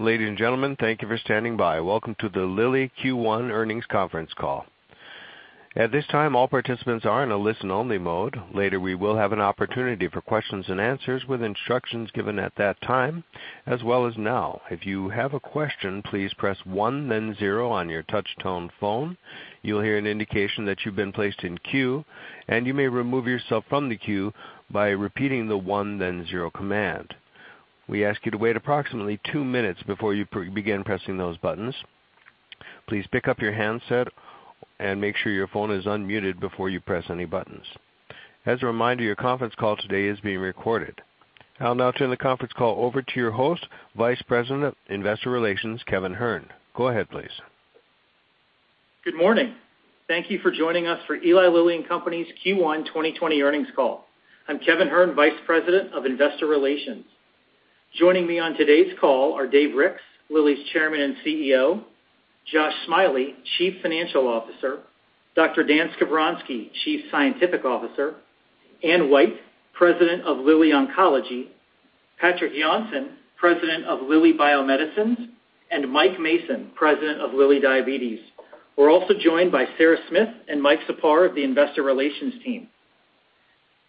Ladies and gentlemen, thank you for standing by. Welcome to the Lilly Q1 earnings conference call. At this time, all participants are in a listen only mode. Later, we will have an opportunity for questions and answers with instructions given at that time as well as now. If you have a question, please press one then zero on your touch tone phone. You'll hear an indication that you've been placed in queue, and you may remove yourself from the queue by repeating the one then zero command. We ask you to wait approximately two minutes before you begin pressing those buttons. Please pick up your handset and make sure your phone is unmuted before you press any buttons. As a reminder, your conference call today is being recorded. I'll now turn the conference call over to your host, Vice President of Investor Relations, Kevin Hern. Go ahead, please. Good morning. Thank you for joining us for Eli Lilly and Company's Q1 2020 earnings call. I'm Kevin Hern, Vice President of Investor Relations. Joining me on today's call are Dave Ricks, Lilly's Chairman and CEO, Josh Smiley, Chief Financial Officer, Dr. Dan Skovronsky, Chief Scientific Officer, Anne White, President of Lilly Oncology, Patrik Jonsson, President of Lilly Bio-Medicines, and Mike Mason, President of Lilly Diabetes. We're also joined by Sara Smith and Mike Czapar of the Investor Relations team.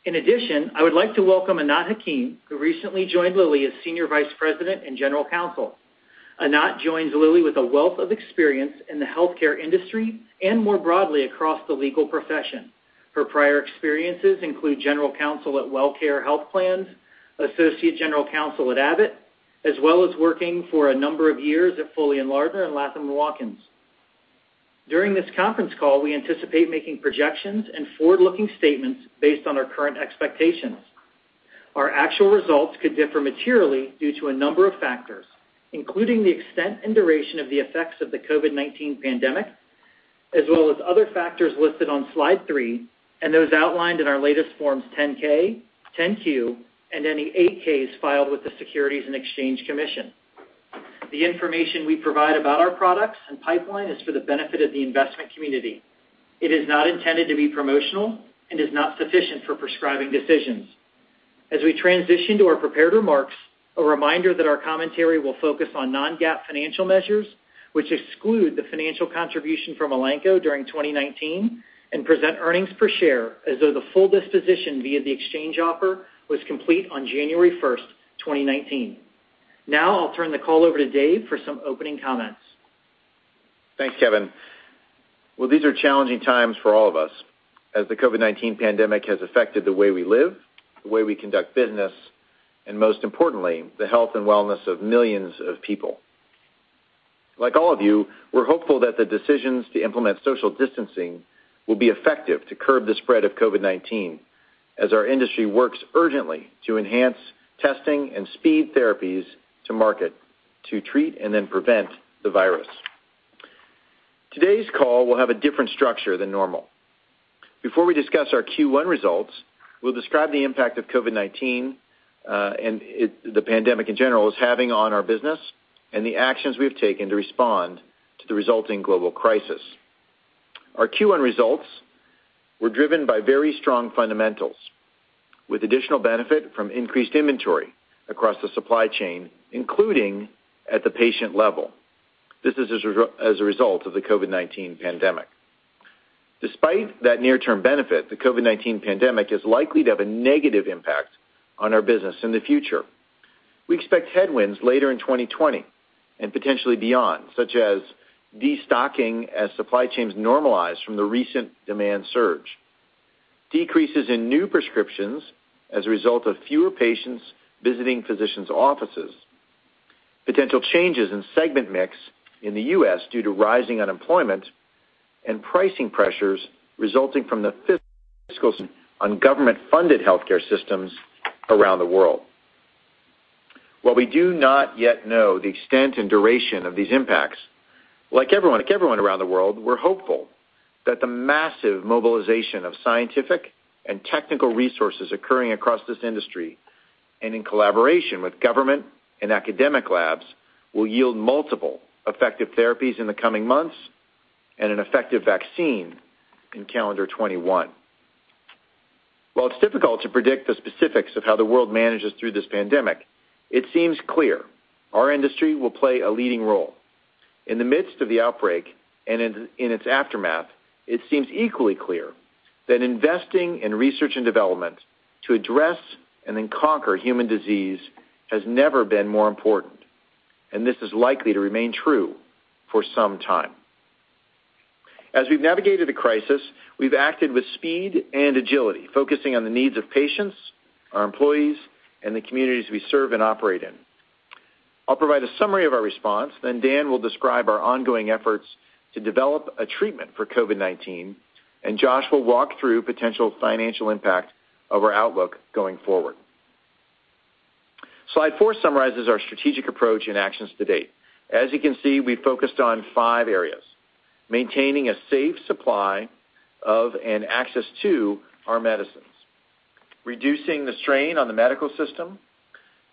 In addition, I would like to welcome Anat Hakim, who recently joined Lilly as Senior Vice President and General Counsel. Anat joins Lilly with a wealth of experience in the healthcare industry and more broadly across the legal profession. Her prior experiences include general counsel at WellCare Health Plans, associate general counsel at Abbott, as well as working for a number of years at Foley & Lardner and Latham & Watkins. During this conference call, we anticipate making projections and forward-looking statements based on our current expectations. Our actual results could differ materially due to a number of factors, including the extent and duration of the effects of the COVID-19 pandemic, as well as other factors listed on slide three and those outlined in our latest forms 10-K, 10-Q, and any 8-Ks filed with the Securities and Exchange Commission. The information we provide about our products and pipeline is for the benefit of the investment community. It is not intended to be promotional and is not sufficient for prescribing decisions. As we transition to our prepared remarks, a reminder that our commentary will focus on non-GAAP financial measures, which exclude the financial contribution from Elanco during 2019 and present earnings per share as though the full disposition via the exchange offer was complete on January 1st, 2019. I'll turn the call over to Dave for some opening comments. Thanks, Kevin. Well, these are challenging times for all of us as the COVID-19 pandemic has affected the way we live, the way we conduct business, and most importantly, the health and wellness of millions of people. Like all of you, we're hopeful that the decisions to implement social distancing will be effective to curb the spread of COVID-19 as our industry works urgently to enhance testing and speed therapies to market to treat and then prevent the virus. Today's call will have a different structure than normal. Before we discuss our Q1 results, we'll describe the impact of COVID-19, and the pandemic in general, is having on our business and the actions we've taken to respond to the resulting global crisis. Our Q1 results were driven by very strong fundamentals with additional benefit from increased inventory across the supply chain, including at the patient level. This is as a result of the COVID-19 pandemic. Despite that near-term benefit, the COVID-19 pandemic is likely to have a negative impact on our business in the future. We expect headwinds later in 2020, and potentially beyond, such as destocking as supply chains normalize from the recent demand surge, decreases in new prescriptions as a result of fewer patients visiting physicians' offices, potential changes in segment mix in the U.S. due to rising unemployment, and pricing pressures resulting from the fiscal strain on government-funded healthcare systems around the world. While we do not yet know the extent and duration of these impacts, like everyone around the world, we're hopeful that the massive mobilization of scientific and technical resources occurring across this industry and in collaboration with government and academic labs will yield multiple effective therapies in the coming months and an effective vaccine in calendar 2021. While it's difficult to predict the specifics of how the world manages through this pandemic, it seems clear our industry will play a leading role. In the midst of the outbreak and in its aftermath, it seems equally clear that investing in research and development to address and then conquer human disease has never been more important, and this is likely to remain true for some time. As we've navigated the crisis, we've acted with speed and agility, focusing on the needs of patients, our employees, and the communities we serve and operate in. I'll provide a summary of our response, then Dan will describe our ongoing efforts to develop a treatment for COVID-19, and Josh will walk through potential financial impact of our outlook going forward. Slide four summarizes our strategic approach and actions to date. As you can see, we've focused on five areas: maintaining a safe supply of and access to our medicines, reducing the strain on the medical system,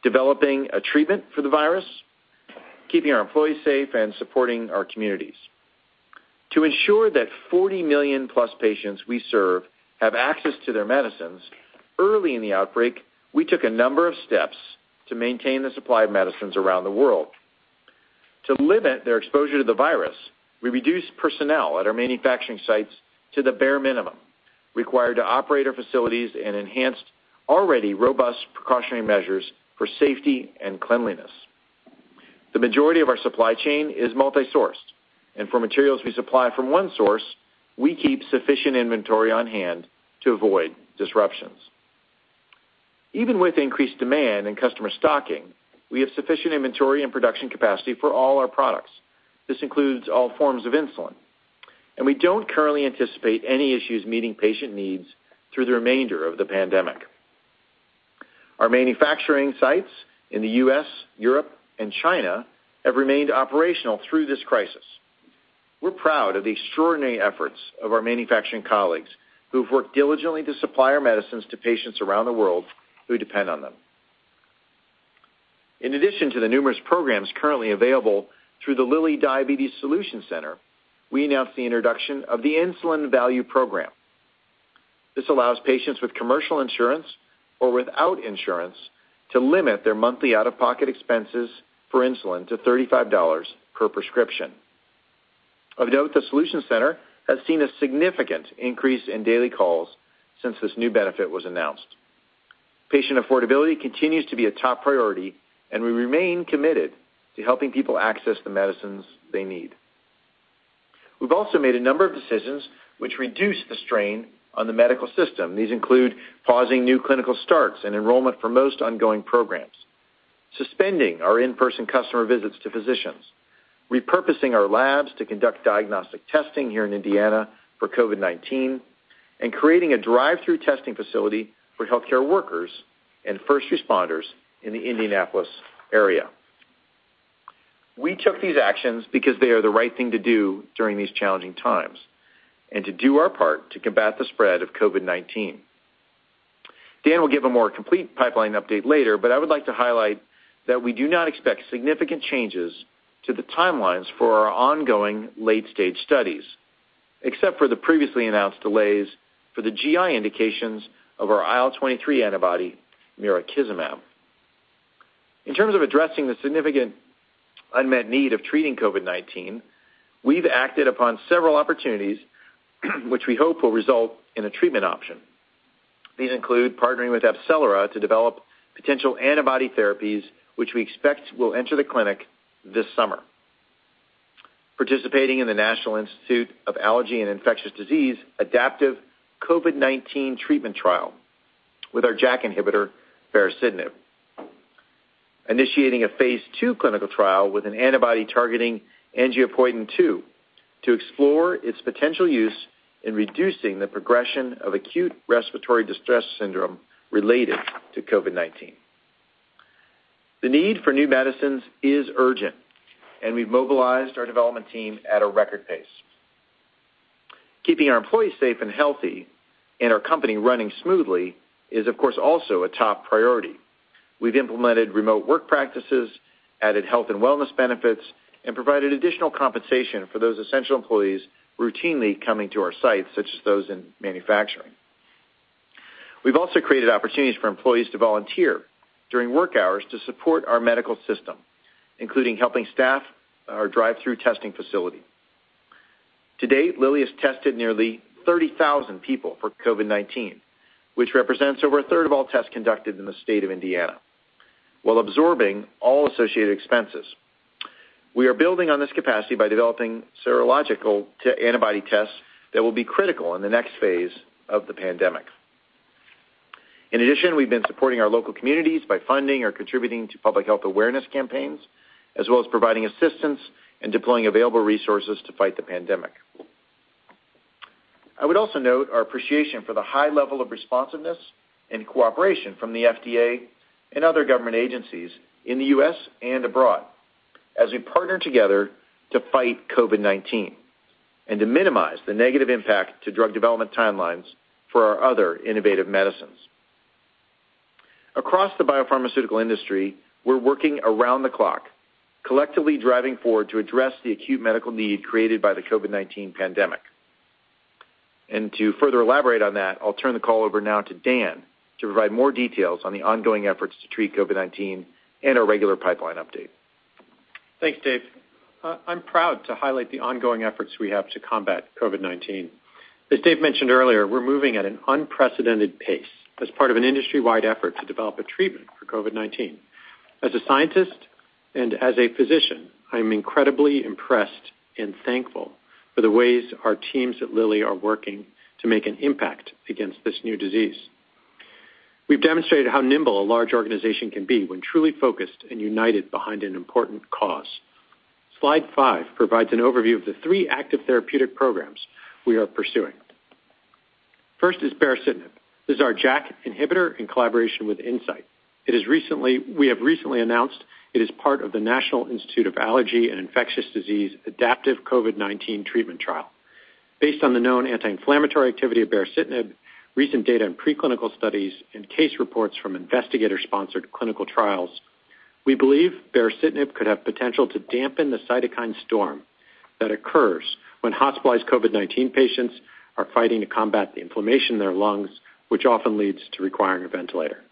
developing a treatment for the virus, keeping our employees safe, and supporting our communities. To ensure that 40 million plus patients we serve have access to their medicines, early in the outbreak, we took a number of steps to maintain the supply of medicines around the world. To limit their exposure to the virus, we reduced personnel at our manufacturing sites to the bare minimum required to operate our facilities and enhanced already robust precautionary measures for safety and cleanliness. The majority of our supply chain is multi-sourced, and for materials we supply from one source, we keep sufficient inventory on hand to avoid disruptions. Even with increased demand and customer stocking, we have sufficient inventory and production capacity for all our products. This includes all forms of insulin. We don't currently anticipate any issues meeting patient needs through the remainder of the pandemic. Our manufacturing sites in the U.S., Europe, and China have remained operational through this crisis. We're proud of the extraordinary efforts of our manufacturing colleagues who have worked diligently to supply our medicines to patients around the world who depend on them. In addition to the numerous programs currently available through the Lilly Diabetes Solution Center, we announced the introduction of the Insulin Value Program. This allows patients with commercial insurance or without insurance to limit their monthly out-of-pocket expenses for insulin to $35 per prescription. Of note, the Solution Center has seen a significant increase in daily calls since this new benefit was announced. Patient affordability continues to be a top priority, and we remain committed to helping people access the medicines they need. We've also made a number of decisions which reduce the strain on the medical system. These include pausing new clinical starts and enrollment for most ongoing programs, suspending our in-person customer visits to physicians, repurposing our labs to conduct diagnostic testing here in Indiana for COVID-19, and creating a drive-through testing facility for healthcare workers and first responders in the Indianapolis area. We took these actions because they are the right thing to do during these challenging times and to do our part to combat the spread of COVID-19. Dan will give a more complete pipeline update later. I would like to highlight that we do not expect significant changes to the timelines for our ongoing late-stage studies, except for the previously announced delays for the GI indications of our IL-23 antibody, mirikizumab. In terms of addressing the significant unmet need of treating COVID-19, we've acted upon several opportunities which we hope will result in a treatment option. These include partnering with AbCellera to develop potential antibody therapies which we expect will enter the clinic this summer, participating in the National Institute of Allergy and Infectious Diseases adaptive COVID-19 treatment trial with our JAK inhibitor, baricitinib, initiating a phase II clinical trial with an antibody targeting Angiopoietin-2 to explore its potential use in reducing the progression of acute respiratory distress syndrome related to COVID-19. The need for new medicines is urgent, and we've mobilized our development team at a record pace. Keeping our employees safe and healthy and our company running smoothly is, of course, also a top priority. We've implemented remote work practices, added health and wellness benefits, and provided additional compensation for those essential employees routinely coming to our sites, such as those in manufacturing. We've also created opportunities for employees to volunteer during work hours to support our medical system, including helping staff our drive-through testing facility. To date, Lilly has tested nearly 30,000 people for COVID-19, which represents over a third of all tests conducted in the state of Indiana while absorbing all associated expenses. We are building on this capacity by developing serological antibody tests that will be critical in the next phase of the pandemic. In addition, we've been supporting our local communities by funding or contributing to public health awareness campaigns, as well as providing assistance and deploying available resources to fight the pandemic. I would also note our appreciation for the high level of responsiveness and cooperation from the FDA and other government agencies in the U.S. and abroad as we partner together to fight COVID-19 and to minimize the negative impact to drug development timelines for our other innovative medicines. Across the biopharmaceutical industry, we're working around the clock, collectively driving forward to address the acute medical need created by the COVID-19 pandemic. To further elaborate on that, I'll turn the call over now to Dan to provide more details on the ongoing efforts to treat COVID-19 and our regular pipeline update. Thanks, Dave. I'm proud to highlight the ongoing efforts we have to combat COVID-19. As Dave mentioned earlier, we're moving at an unprecedented pace as part of an industry-wide effort to develop a treatment for COVID-19. As a scientist and as a physician, I'm incredibly impressed and thankful for the ways our teams at Lilly are working to make an impact against this new disease. We've demonstrated how nimble a large organization can be when truly focused and united behind an important cause. Slide five provides an overview of the three active therapeutic programs we are pursuing. First is baricitinib. This is our JAK inhibitor in collaboration with Incyte. We have recently announced it is part of the National Institute of Allergy and Infectious Diseases adaptive COVID-19 treatment trial. Based on the known anti-inflammatory activity of baricitinib, recent data in preclinical studies, and case reports from investigator-sponsored clinical trials, we believe baricitinib could have potential to dampen the cytokine storm that occurs when hospitalized COVID-19 patients are fighting to combat the inflammation in their lungs, which often leads to requiring a ventilator.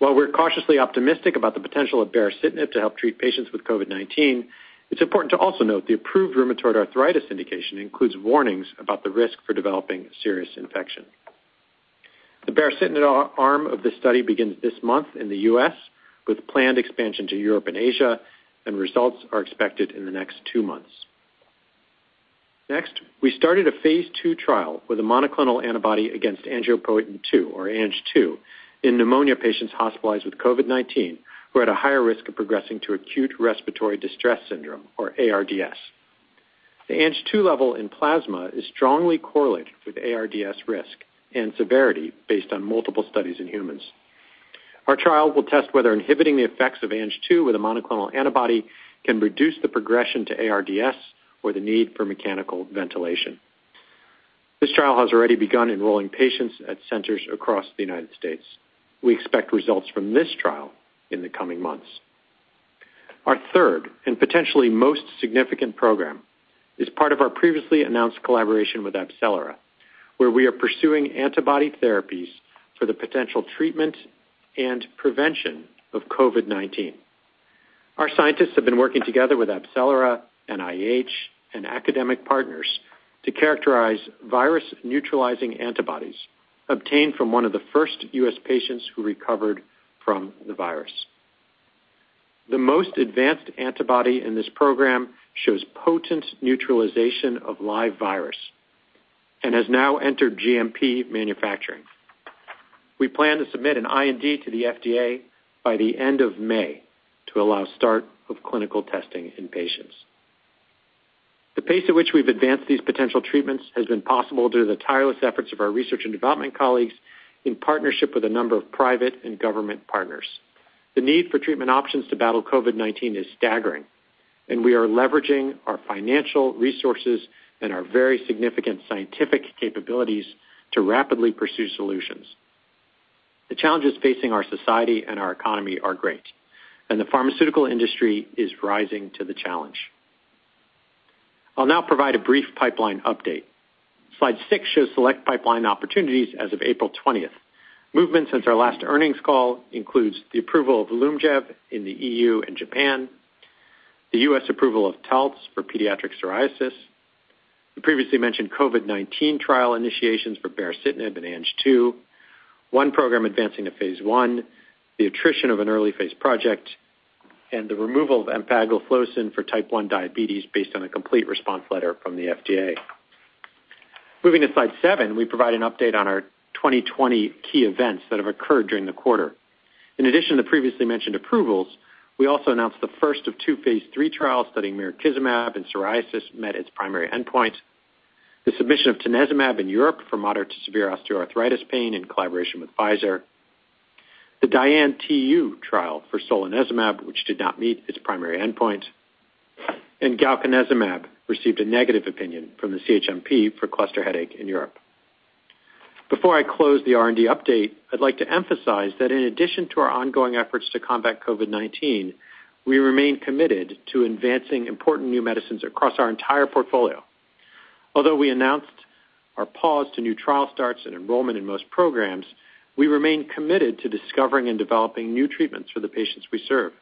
While we're cautiously optimistic about the potential of baricitinib to help treat patients with COVID-19, it's important to also note the approved rheumatoid arthritis indication includes warnings about the risk for developing serious infection. The baricitinib arm of this study begins this month in the U.S., with planned expansion to Europe and Asia, and results are expected in the next two months. We started a phase II trial with a monoclonal antibody against Angiopoietin-2, or Ang2, in pneumonia patients hospitalized with COVID-19 who are at a higher risk of progressing to acute respiratory distress syndrome, or ARDS. The Ang2 level in plasma is strongly correlated with ARDS risk and severity based on multiple studies in humans. Our trial will test whether inhibiting the effects of Ang2 with a monoclonal antibody can reduce the progression to ARDS or the need for mechanical ventilation. This trial has already begun enrolling patients at centers across the U.S. We expect results from this trial in the coming months. Our third and potentially most significant program is part of our previously announced collaboration with AbCellera, where we are pursuing antibody therapies for the potential treatment and prevention of COVID-19. Our scientists have been working together with AbCellera, NIH, and academic partners to characterize virus-neutralizing antibodies obtained from one of the first U.S. patients who recovered from the virus. The most advanced antibody in this program shows potent neutralization of live virus and has now entered GMP manufacturing. We plan to submit an IND to the FDA by the end of May to allow start of clinical testing in patients. The pace at which we've advanced these potential treatments has been possible due to the tireless efforts of our research and development colleagues in partnership with a number of private and government partners. The need for treatment options to battle COVID-19 is staggering. We are leveraging our financial resources and our very significant scientific capabilities to rapidly pursue solutions. The challenges facing our society and our economy are great. The pharmaceutical industry is rising to the challenge. I'll now provide a brief pipeline update. Slide six shows select pipeline opportunities as of April 20th. Movements since our last earnings call includes the approval of Lyumjev in the EU and Japan, the U.S. approval of Taltz for pediatric psoriasis, the previously mentioned COVID-19 trial initiations for baricitinib and Ang2, one program advancing to phase I, the attrition of an early-phase project, and the removal of empagliflozin for type 1 diabetes based on a complete response letter from the FDA. Moving to slide seven, we provide an update on our 2020 key events that have occurred during the quarter. In addition to previously mentioned approvals, we also announced the first of two phase III trials studying mirikizumab in psoriasis met its primary endpoint, the submission of Tanezumab in Europe for moderate to severe osteoarthritis pain in collaboration with Pfizer, the DIAN-TU trial for solanezumab, which did not meet its primary endpoint, and galcanezumab received a negative opinion from the CHMP for cluster headache in Europe. Before I close the R&D update, I'd like to emphasize that in addition to our ongoing efforts to combat COVID-19, we remain committed to advancing important new medicines across our entire portfolio. Although we announced our pause to new trial starts and enrollment in most programs, we remain committed to discovering and developing new treatments for the patients we serve.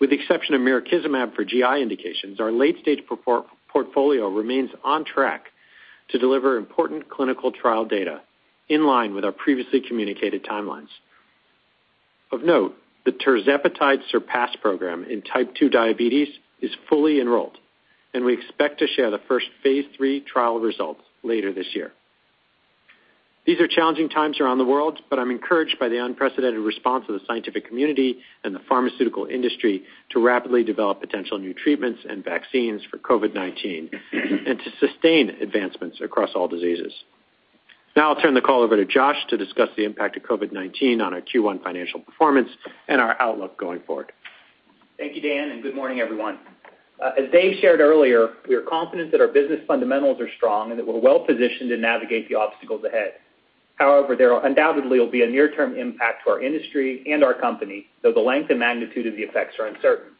With the exception of mirikizumab for GI indications, our late-stage portfolio remains on track to deliver important clinical trial data in line with our previously communicated timelines. Of note, the tirzepatide SURPASS program in type 2 diabetes is fully enrolled, and we expect to share the first phase III trial results later this year. These are challenging times around the world, but I'm encouraged by the unprecedented response of the scientific community and the pharmaceutical industry to rapidly develop potential new treatments and vaccines for COVID-19 and to sustain advancements across all diseases. Now I'll turn the call over to Josh to discuss the impact of COVID-19 on our Q1 financial performance and our outlook going forward. Thank you, Dan, good morning, everyone. As Dave shared earlier, we are confident that our business fundamentals are strong and that we're well-positioned to navigate the obstacles ahead. However, there undoubtedly will be a near-term impact to our industry and our company, though the length and magnitude of the effects are uncertain.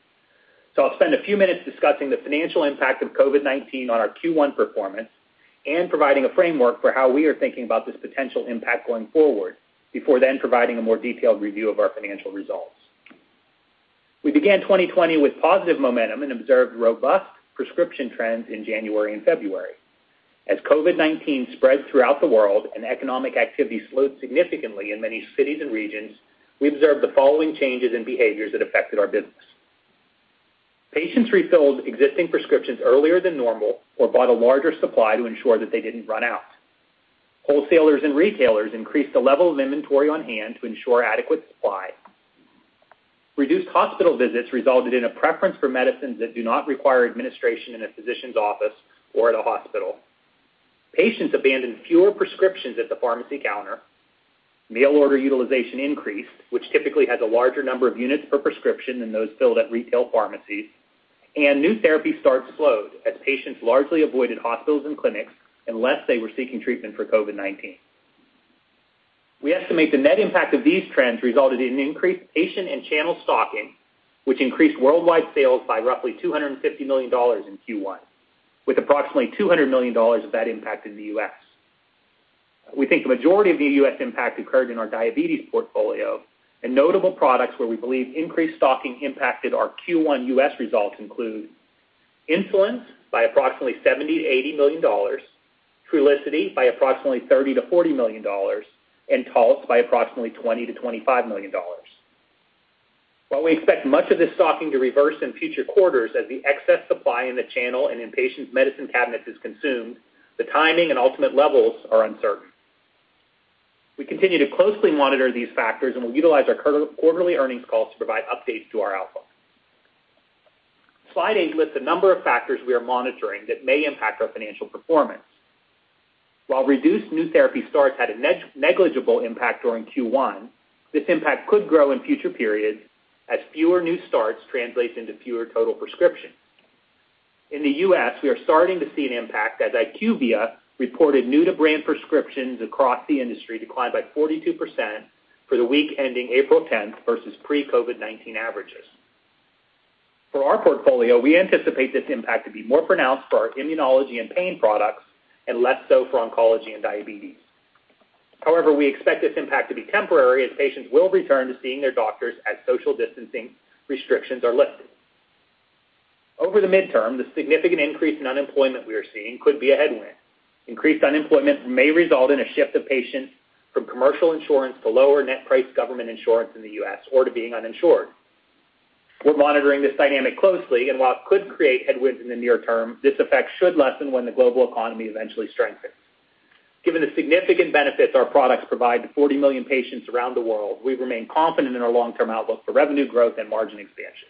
I'll spend a few minutes discussing the financial impact of COVID-19 on our Q1 performance and providing a framework for how we are thinking about this potential impact going forward, before then providing a more detailed review of our financial results. We began 2020 with positive momentum and observed robust prescription trends in January and February. As COVID-19 spread throughout the world and economic activity slowed significantly in many cities and regions, we observed the following changes in behaviors that affected our business. Patients refilled existing prescriptions earlier than normal or bought a larger supply to ensure that they didn't run out. Wholesalers and retailers increased the level of inventory on-hand to ensure adequate supply. Reduced hospital visits resulted in a preference for medicines that do not require administration in a physician's office or at a hospital. Patients abandoned full prescriptions at the pharmacy counter. Mail order utilization increased, which typically has a larger number of units per prescription than those filled at retail pharmacies, and new therapy starts slowed as patients largely avoided hospitals and clinics unless they were seeking treatment for COVID-19. We estimate the net impact of these trends resulted in increased patient and channel stocking, which increased worldwide sales by roughly $250 million in Q1, with approximately $200 million of that impact in the U.S. We think the majority of the U.S. impact occurred in our diabetes portfolio. Notable products where we believe increased stocking impacted our Q1 U.S. results include insulin by approximately $70 million-$80 million, Trulicity by approximately $30 million-$40 million, and Taltz by approximately $20 million-$25 million. While we expect much of this stocking to reverse in future quarters as the excess supply in the channel and in patients' medicine cabinets is consumed, the timing and ultimate levels are uncertain. We continue to closely monitor these factors. We'll utilize our quarterly earnings calls to provide updates to our outlook. Slide eight lists a number of factors we are monitoring that may impact our financial performance. While reduced new therapy starts had a negligible impact during Q1, this impact could grow in future periods as fewer new starts translates into fewer total prescriptions. In the U.S., we are starting to see an impact as IQVIA reported new-to-brand prescriptions across the industry declined by 42% for the week ending April 10th versus pre-COVID-19 averages. For our portfolio, we anticipate this impact to be more pronounced for our immunology and pain products and less so for oncology and diabetes. We expect this impact to be temporary, as patients will return to seeing their doctors as social distancing restrictions are lifted. Over the midterm, the significant increase in unemployment we are seeing could be a headwind. Increased unemployment may result in a shift of patients from commercial insurance to lower net price government insurance in the U.S., or to being uninsured. We're monitoring this dynamic closely, and while it could create headwinds in the near term, this effect should lessen when the global economy eventually strengthens. Given the significant benefits our products provide to 40 million patients around the world, we remain confident in our long-term outlook for revenue growth and margin expansion.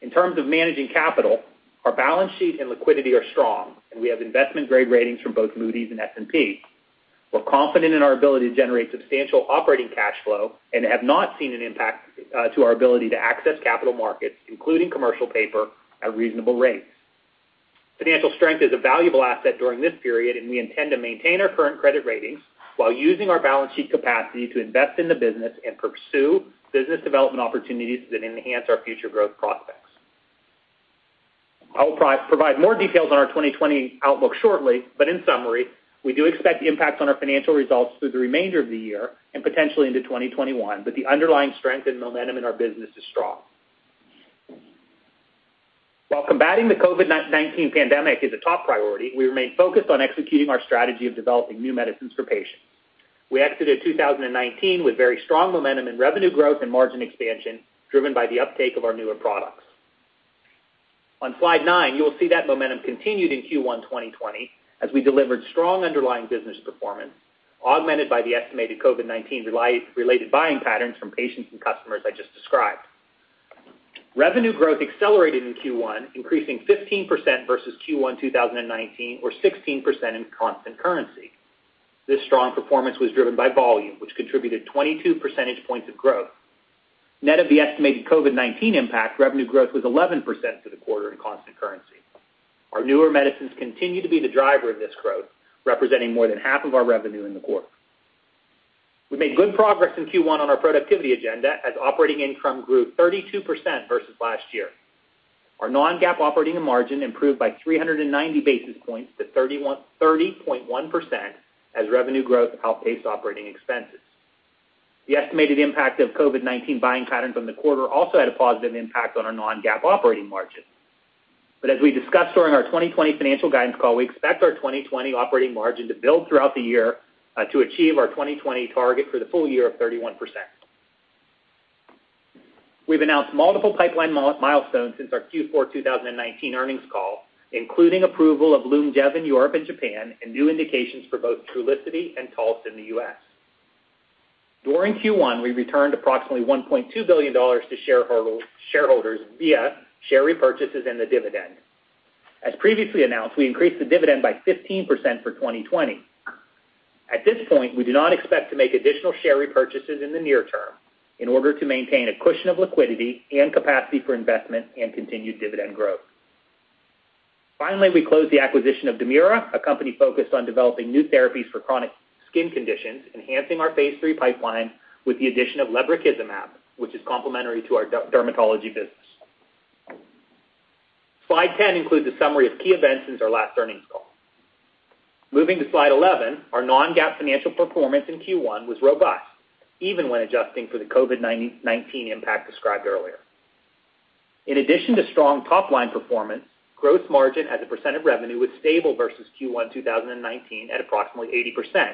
In terms of managing capital, our balance sheet and liquidity are strong, and we have investment-grade ratings from both Moody's and S&P. We're confident in our ability to generate substantial operating cash flow and have not seen an impact to our ability to access capital markets, including commercial paper, at reasonable rates. Financial strength is a valuable asset during this period, and we intend to maintain our current credit ratings while using our balance sheet capacity to invest in the business and pursue business development opportunities that enhance our future growth prospects. I will provide more details on our 2020 outlook shortly. In summary, we do expect impacts on our financial results through the remainder of the year and potentially into 2021. The underlying strength and momentum in our business is strong. While combating the COVID-19 pandemic is a top priority, we remain focused on executing our strategy of developing new medicines for patients. We exited 2019 with very strong momentum in revenue growth and margin expansion, driven by the uptake of our newer products. On slide nine, you will see that momentum continued in Q1 2020, as we delivered strong underlying business performance, augmented by the estimated COVID-19 related buying patterns from patients and customers I just described. Revenue growth accelerated in Q1, increasing 15% versus Q1 2019, 16% in constant currency. This strong performance was driven by volume, which contributed 22 percentage points of growth. Net of the estimated COVID-19 impact, revenue growth was 11% for the quarter in constant currency. Our newer medicines continue to be the driver of this growth, representing more than half of our revenue in the quarter. We made good progress in Q1 on our productivity agenda, as operating income grew 32% versus last year. Our non-GAAP operating margin improved by 390 basis points to 30.1% as revenue growth outpaced operating expenses. The estimated impact of COVID-19 buying patterns on the quarter also had a positive impact on our non-GAAP operating margin. As we discussed during our 2020 financial guidance call, we expect our 2020 operating margin to build throughout the year to achieve our 2020 target for the full year of 31%. We've announced multiple pipeline milestones since our Q4 2019 earnings call, including approval of Lyumjev in Europe and Japan and new indications for both Trulicity and Taltz in the U.S. During Q1, we returned approximately $1.2 billion to shareholders via share repurchases and the dividend. As previously announced, we increased the dividend by 15% for 2020. At this point, we do not expect to make additional share repurchases in the near term in order to maintain a cushion of liquidity and capacity for investment and continued dividend growth. Finally, we closed the acquisition of Dermira, a company focused on developing new therapies for chronic skin conditions, enhancing our phase III pipeline with the addition of lebrikizumab, which is complementary to our dermatology business. Slide 10 includes a summary of key events since our last earnings call. Moving to slide 11, our non-GAAP financial performance in Q1 was robust, even when adjusting for the COVID-19 impact described earlier. In addition to strong top-line performance, gross margin as a % of revenue was stable versus Q1 2019 at approximately 80%,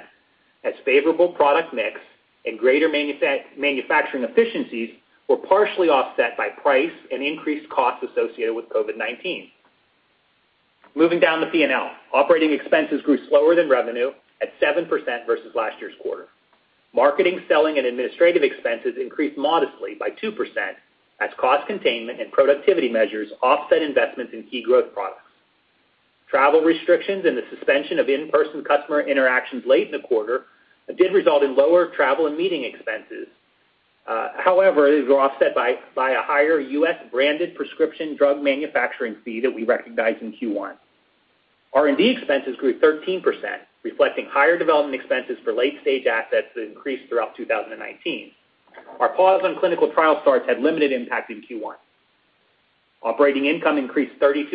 as favorable product mix and greater manufacturing efficiencies were partially offset by price and increased costs associated with COVID-19. Moving down the P&L, operating expenses grew slower than revenue at 7% versus last year's quarter. Marketing, selling, and administrative expenses increased modestly by 2% as cost containment and productivity measures offset investments in key growth products. Travel restrictions and the suspension of in-person customer interactions late in the quarter did result in lower travel and meeting expenses. It was offset by a higher U.S. branded prescription drug manufacturing fee that we recognized in Q1. R&D expenses grew 13%, reflecting higher development expenses for late-stage assets that increased throughout 2019. Our pause on clinical trial starts had limited impact in Q1. Operating income increased 32%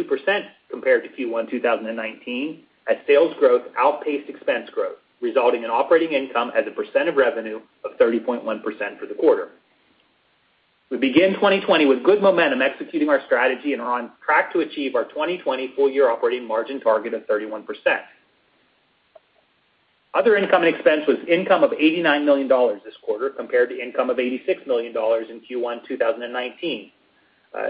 compared to Q1 2019 as sales growth outpaced expense growth, resulting in operating income as a percent of revenue of 30.1% for the quarter. We begin 2020 with good momentum executing our strategy and are on track to achieve our 2020 full-year operating margin target of 31%. Other income and expense was income of $89 million this quarter, compared to income of $86 million in Q1 2019.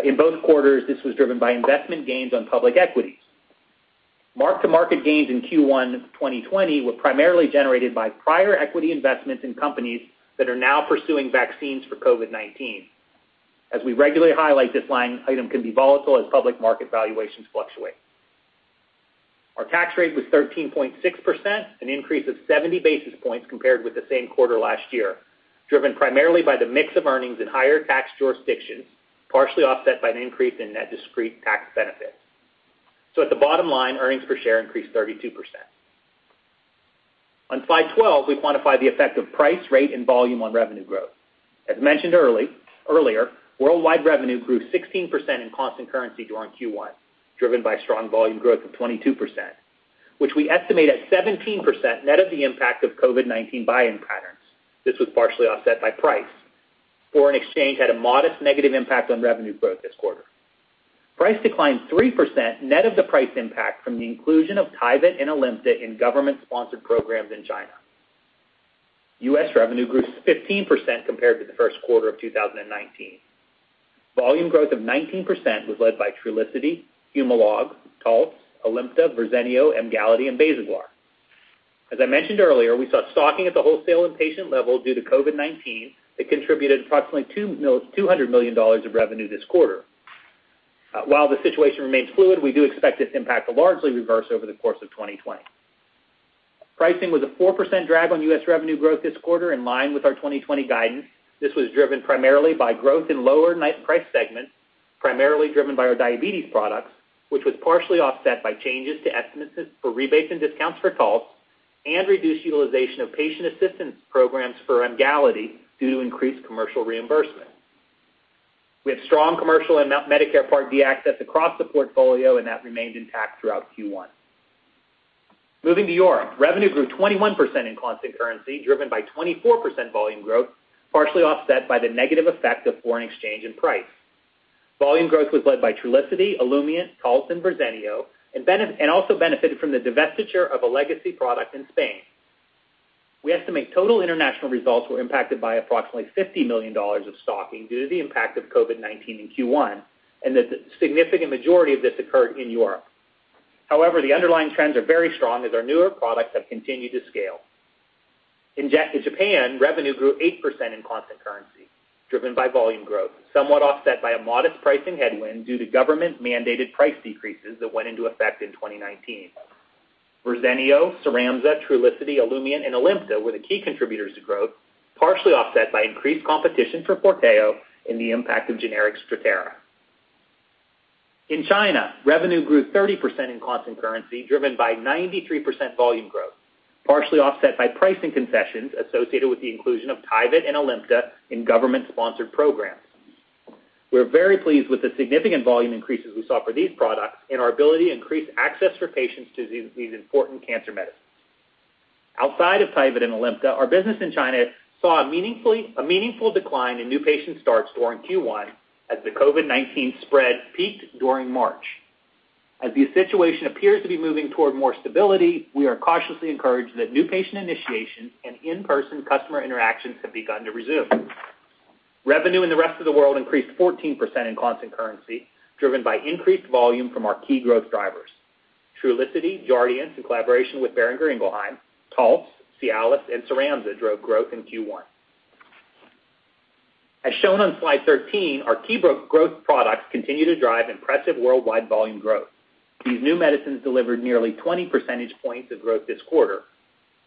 In both quarters, this was driven by investment gains on public equities. Mark-to-market gains in Q1 2020 were primarily generated by prior equity investments in companies that are now pursuing vaccines for COVID-19. As we regularly highlight, this line item can be volatile as public market valuations fluctuate. Our tax rate was 13.6%, an increase of 70 basis points compared with the same quarter last year, driven primarily by the mix of earnings in higher tax jurisdictions, partially offset by an increase in net discrete tax benefits. At the bottom line, earnings per share increased 32%. On slide 12, we quantify the effect of price, rate, and volume on revenue growth. As mentioned earlier, worldwide revenue grew 16% in constant currency during Q1, driven by strong volume growth of 22%, which we estimate at 17% net of the impact of COVID-19 buying patterns. This was partially offset by price. Foreign exchange had a modest negative impact on revenue growth this quarter. Price declined 3% net of the price impact from the inclusion of TYVYT and ALIMTA in government-sponsored programs in China. U.S. revenue grew 15% compared to the first quarter of 2019. Volume growth of 19% was led by Trulicity, Humalog, Taltz, ALIMTA, Verzenio, Emgality, and Basaglar. As I mentioned earlier, we saw stocking at the wholesale and patient level due to COVID-19 that contributed approximately $200 million of revenue this quarter. While the situation remains fluid, we do expect this impact to largely reverse over the course of 2020. Pricing was a 4% drag on U.S. revenue growth this quarter, in line with our 2020 guidance. This was driven primarily by growth in lower price segments, primarily driven by our diabetes products, which was partially offset by changes to estimates for rebates and discounts for Taltz and reduced utilization of patient assistance programs for Emgality due to increased commercial reimbursement. We have strong commercial and Medicare Part D access across the portfolio, and that remained intact throughout Q1. Moving to Europe, revenue grew 21% in constant currency, driven by 24% volume growth, partially offset by the negative effect of foreign exchange and price. Volume growth was led by Trulicity, Olumiant, Taltz, and Verzenio, and also benefited from the divestiture of a legacy product in Spain. We estimate total international results were impacted by approximately $50 million of stocking due to the impact of COVID-19 in Q1, and that the significant majority of this occurred in Europe. However, the underlying trends are very strong as our newer products have continued to scale. In Japan, revenue grew 8% in constant currency, driven by volume growth, somewhat offset by a modest pricing headwind due to government-mandated price decreases that went into effect in 2019. Verzenio, Cyramza, Trulicity, Olumiant, and ALIMTA were the key contributors to growth, partially offset by increased competition for FORTEO and the impact of generic Strattera. In China, revenue grew 30% in constant currency, driven by 93% volume growth, partially offset by pricing concessions associated with the inclusion of TYVYT and ALIMTA in government-sponsored programs. We're very pleased with the significant volume increases we saw for these products and our ability to increase access for patients to these important cancer medicines. Outside of TYVYT and ALIMTA, our business in China saw a meaningful decline in new patient starts during Q1 as the COVID-19 spread peaked during March. As the situation appears to be moving toward more stability, we are cautiously encouraged that new patient initiation and in-person customer interactions have begun to resume. Revenue in the rest of the world increased 14% in constant currency, driven by increased volume from our key growth drivers. Trulicity, Jardiance, in collaboration with Boehringer Ingelheim, Taltz, CIALIS, and Cyramza drove growth in Q1. As shown on slide 13, our key growth products continue to drive impressive worldwide volume growth. These new medicines delivered nearly 20 percentage points of growth this quarter,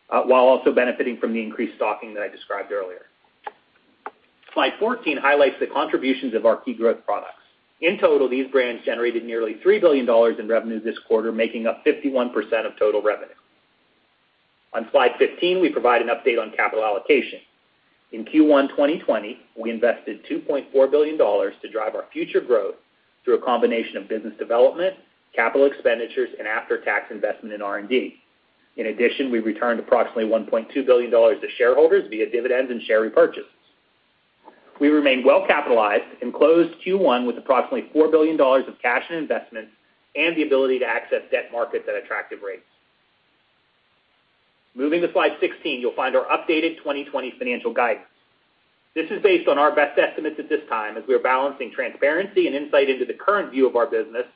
while also benefiting from the increased stocking that I described earlier. Slide 14 highlights the contributions of our key growth products. In total, these brands generated nearly $3 billion in revenue this quarter, making up 51% of total revenue. On slide 15, we provide an update on capital allocation. In Q1 2020, we invested $2.4 billion to drive our future growth through a combination of business development, capital expenditures, and after-tax investment in R&D. In addition, we returned approximately $1.2 billion to shareholders via dividends and share repurchases. We remain well-capitalized and closed Q1 with approximately $4 billion of cash and investments and the ability to access debt markets at attractive rates. Moving to slide 16, you'll find our updated 2020 financial guidance. This is based on our best estimates at this time as we are balancing transparency and insight into the current view of our business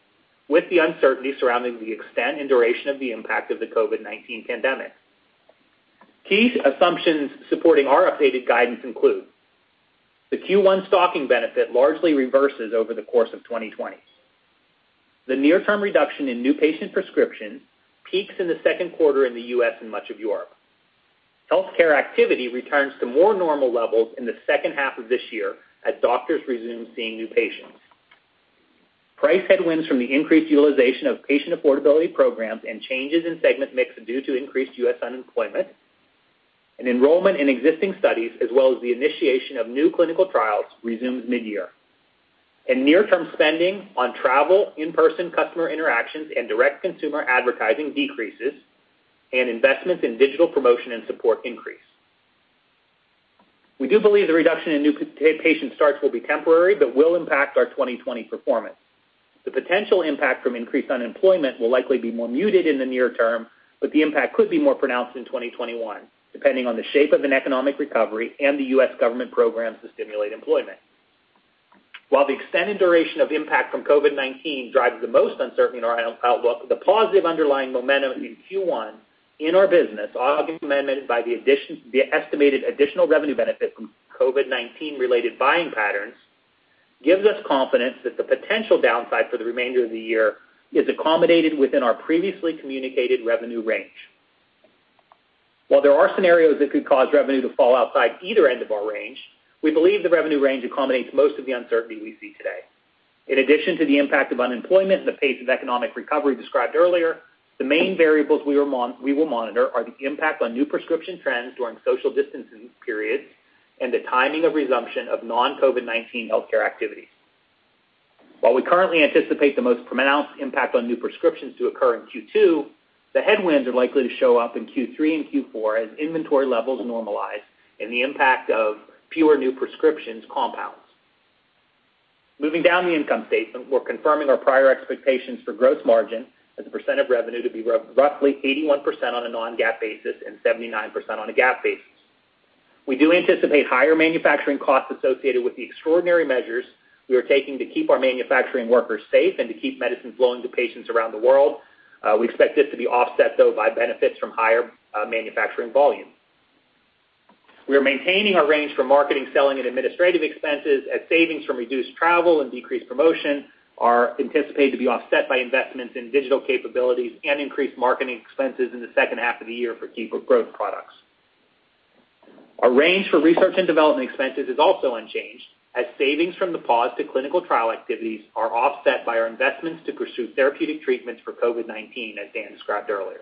with the uncertainty surrounding the extent and duration of the impact of the COVID-19 pandemic. Key assumptions supporting our updated guidance include the Q1 stocking benefit largely reverses over the course of 2020. The near-term reduction in new patient prescription peaks in the second quarter in the U.S. and much of Europe. Healthcare activity returns to more normal levels in the second half of this year as doctors resume seeing new patients. Price headwinds from the increased utilization of patient affordability programs and changes in segment mix due to increased U.S. unemployment and enrollment in existing studies as well as the initiation of new clinical trials resumes midyear. Near-term spending on travel, in-person customer interactions, and direct consumer advertising decreases and investments in digital promotion and support increase. We do believe the reduction in new patient starts will be temporary but will impact our 2020 performance. The potential impact from increased unemployment will likely be more muted in the near term, but the impact could be more pronounced in 2021, depending on the shape of an economic recovery and the U.S. government programs to stimulate employment. While the extended duration of impact from COVID-19 drives the most uncertainty in our outlook, the positive underlying momentum in Q1 in our business, augmented by the estimated additional revenue benefit from COVID-19 related buying patterns, gives us confidence that the potential downside for the remainder of the year is accommodated within our previously communicated revenue range. While there are scenarios that could cause revenue to fall outside either end of our range, we believe the revenue range accommodates most of the uncertainty we see today. In addition to the impact of unemployment and the pace of economic recovery described earlier, the main variables we will monitor are the impact on new prescription trends during social distancing periods and the timing of resumption of non-COVID-19 healthcare activities. While we currently anticipate the most pronounced impact on new prescriptions to occur in Q2, the headwinds are likely to show up in Q3 and Q4 as inventory levels normalize and the impact of fewer new prescriptions compounds. Moving down the income statement, we're confirming our prior expectations for gross margin as a percent of revenue to be roughly 81% on a non-GAAP basis and 79% on a GAAP basis. We do anticipate higher manufacturing costs associated with the extraordinary measures we are taking to keep our manufacturing workers safe and to keep medicines flowing to patients around the world. We expect this to be offset, though, by benefits from higher manufacturing volume. We are maintaining our range for marketing, selling, and administrative expenses as savings from reduced travel and decreased promotion are anticipated to be offset by investments in digital capabilities and increased marketing expenses in the second half of the year for key growth products. Our range for research and development expenses is also unchanged as savings from the pause to clinical trial activities are offset by our investments to pursue therapeutic treatments for COVID-19, as Dan described earlier.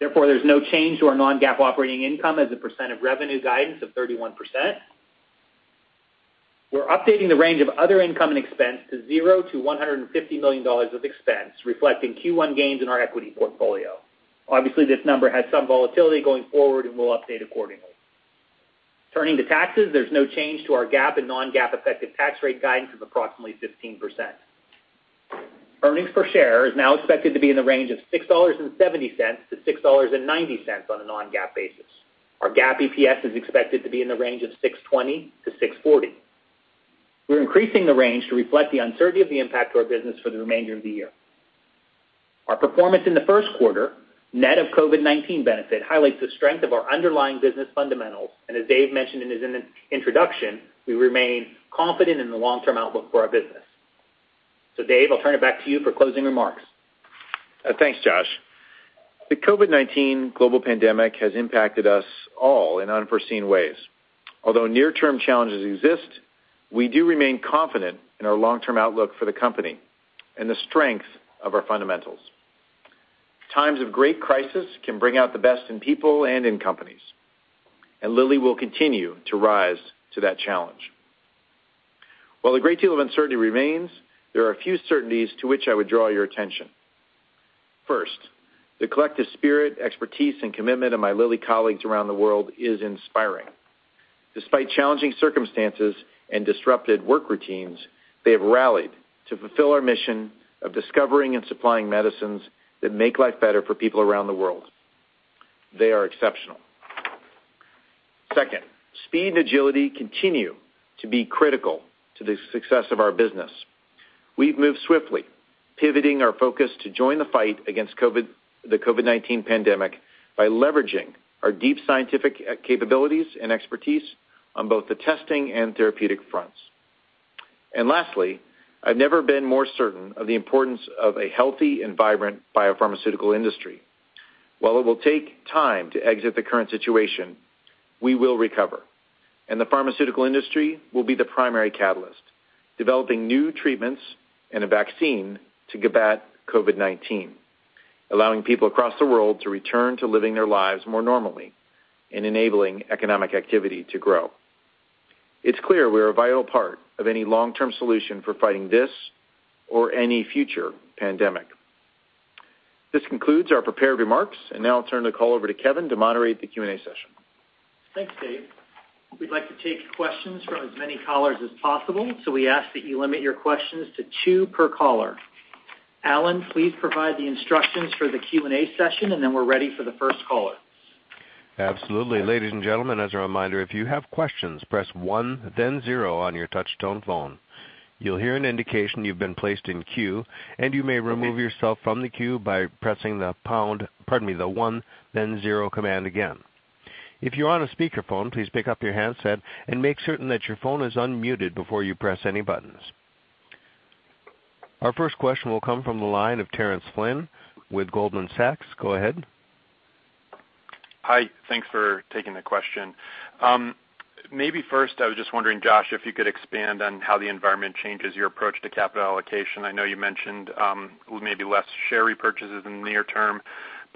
Therefore, there is no change to our non-GAAP operating income as a percent of revenue guidance of 31%. We're updating the range of other income and expense to zero to $150 million of expense, reflecting Q1 gains in our equity portfolio. Obviously, this number has some volatility going forward and will update accordingly. Turning to taxes, there's no change to our GAAP and non-GAAP effective tax rate guidance of approximately 15%. Earnings per share is now expected to be in the range of $6.70-$6.90 on a non-GAAP basis. Our GAAP EPS is expected to be in the range of $6.20-$6.40. We're increasing the range to reflect the uncertainty of the impact to our business for the remainder of the year. Our performance in the first quarter, net of COVID-19 benefit, highlights the strength of our underlying business fundamentals, and as Dave mentioned in his introduction, we remain confident in the long-term outlook for our business. Dave, I'll turn it back to you for closing remarks. Thanks, Josh. The COVID-19 global pandemic has impacted us all in unforeseen ways. Near-term challenges exist, we do remain confident in our long-term outlook for the company and the strength of our fundamentals. Times of great crisis can bring out the best in people and in companies, Lilly will continue to rise to that challenge. A great deal of uncertainty remains, there are a few certainties to which I would draw your attention. First, the collective spirit, expertise, and commitment of my Lilly colleagues around the world is inspiring. Despite challenging circumstances and disrupted work routines, they have rallied to fulfill our mission of discovering and supplying medicines that make life better for people around the world. They are exceptional. Second, speed and agility continue to be critical to the success of our business. We've moved swiftly, pivoting our focus to join the fight against the COVID-19 pandemic by leveraging our deep scientific capabilities and expertise on both the testing and therapeutic fronts. Lastly, I've never been more certain of the importance of a healthy and vibrant biopharmaceutical industry. While it will take time to exit the current situation, we will recover, and the pharmaceutical industry will be the primary catalyst, developing new treatments and a vaccine to combat COVID-19, allowing people across the world to return to living their lives more normally and enabling economic activity to grow. It's clear we're a vital part of any long-term solution for fighting this or any future pandemic. This concludes our prepared remarks. Now I'll turn the call over to Kevin to moderate the Q&A session. Thanks, Dave. We'd like to take questions from as many callers as possible. We ask that you limit your questions to two per caller. Alan, please provide the instructions for the Q&A session. We're ready for the first caller. Absolutely. Ladies and gentlemen, as a reminder, if you have questions, press one, then zero on your touch-tone phone. You'll hear an indication you've been placed in queue, and you may remove yourself from the queue by pressing the one, then zero command again. If you're on a speakerphone, please pick up your handset and make certain that your phone is unmuted before you press any buttons. Our first question will come from the line of Terence Flynn with Goldman Sachs. Go ahead. Hi. Thanks for taking the question. First, I was just wondering, Josh, if you could expand on how the environment changes your approach to capital allocation. I know you mentioned maybe less share repurchases in the near term,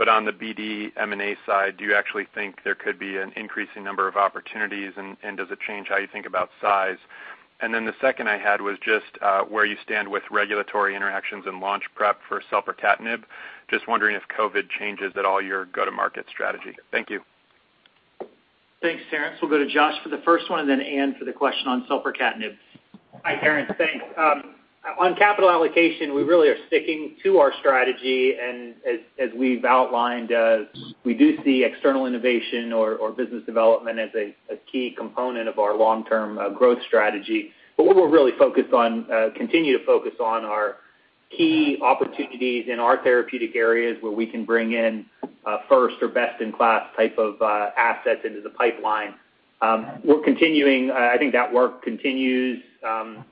on the BD M&A side, do you actually think there could be an increasing number of opportunities, and does it change how you think about size? The second I had was just where you stand with regulatory interactions and launch prep for selpercatinib. Just wondering if COVID changes at all your go-to-market strategy. Thank you. Thanks, Terence. We'll go to Josh for the first one, and then Anne for the question on selpercatinib. Hi, Terence. Thanks. On capital allocation, we really are sticking to our strategy, and as we've outlined, we do see external innovation or business development as a key component of our long-term growth strategy. What we're really continuing to focus on are key opportunities in our therapeutic areas where we can bring in first or best in class type of assets into the pipeline. I think that work continues. I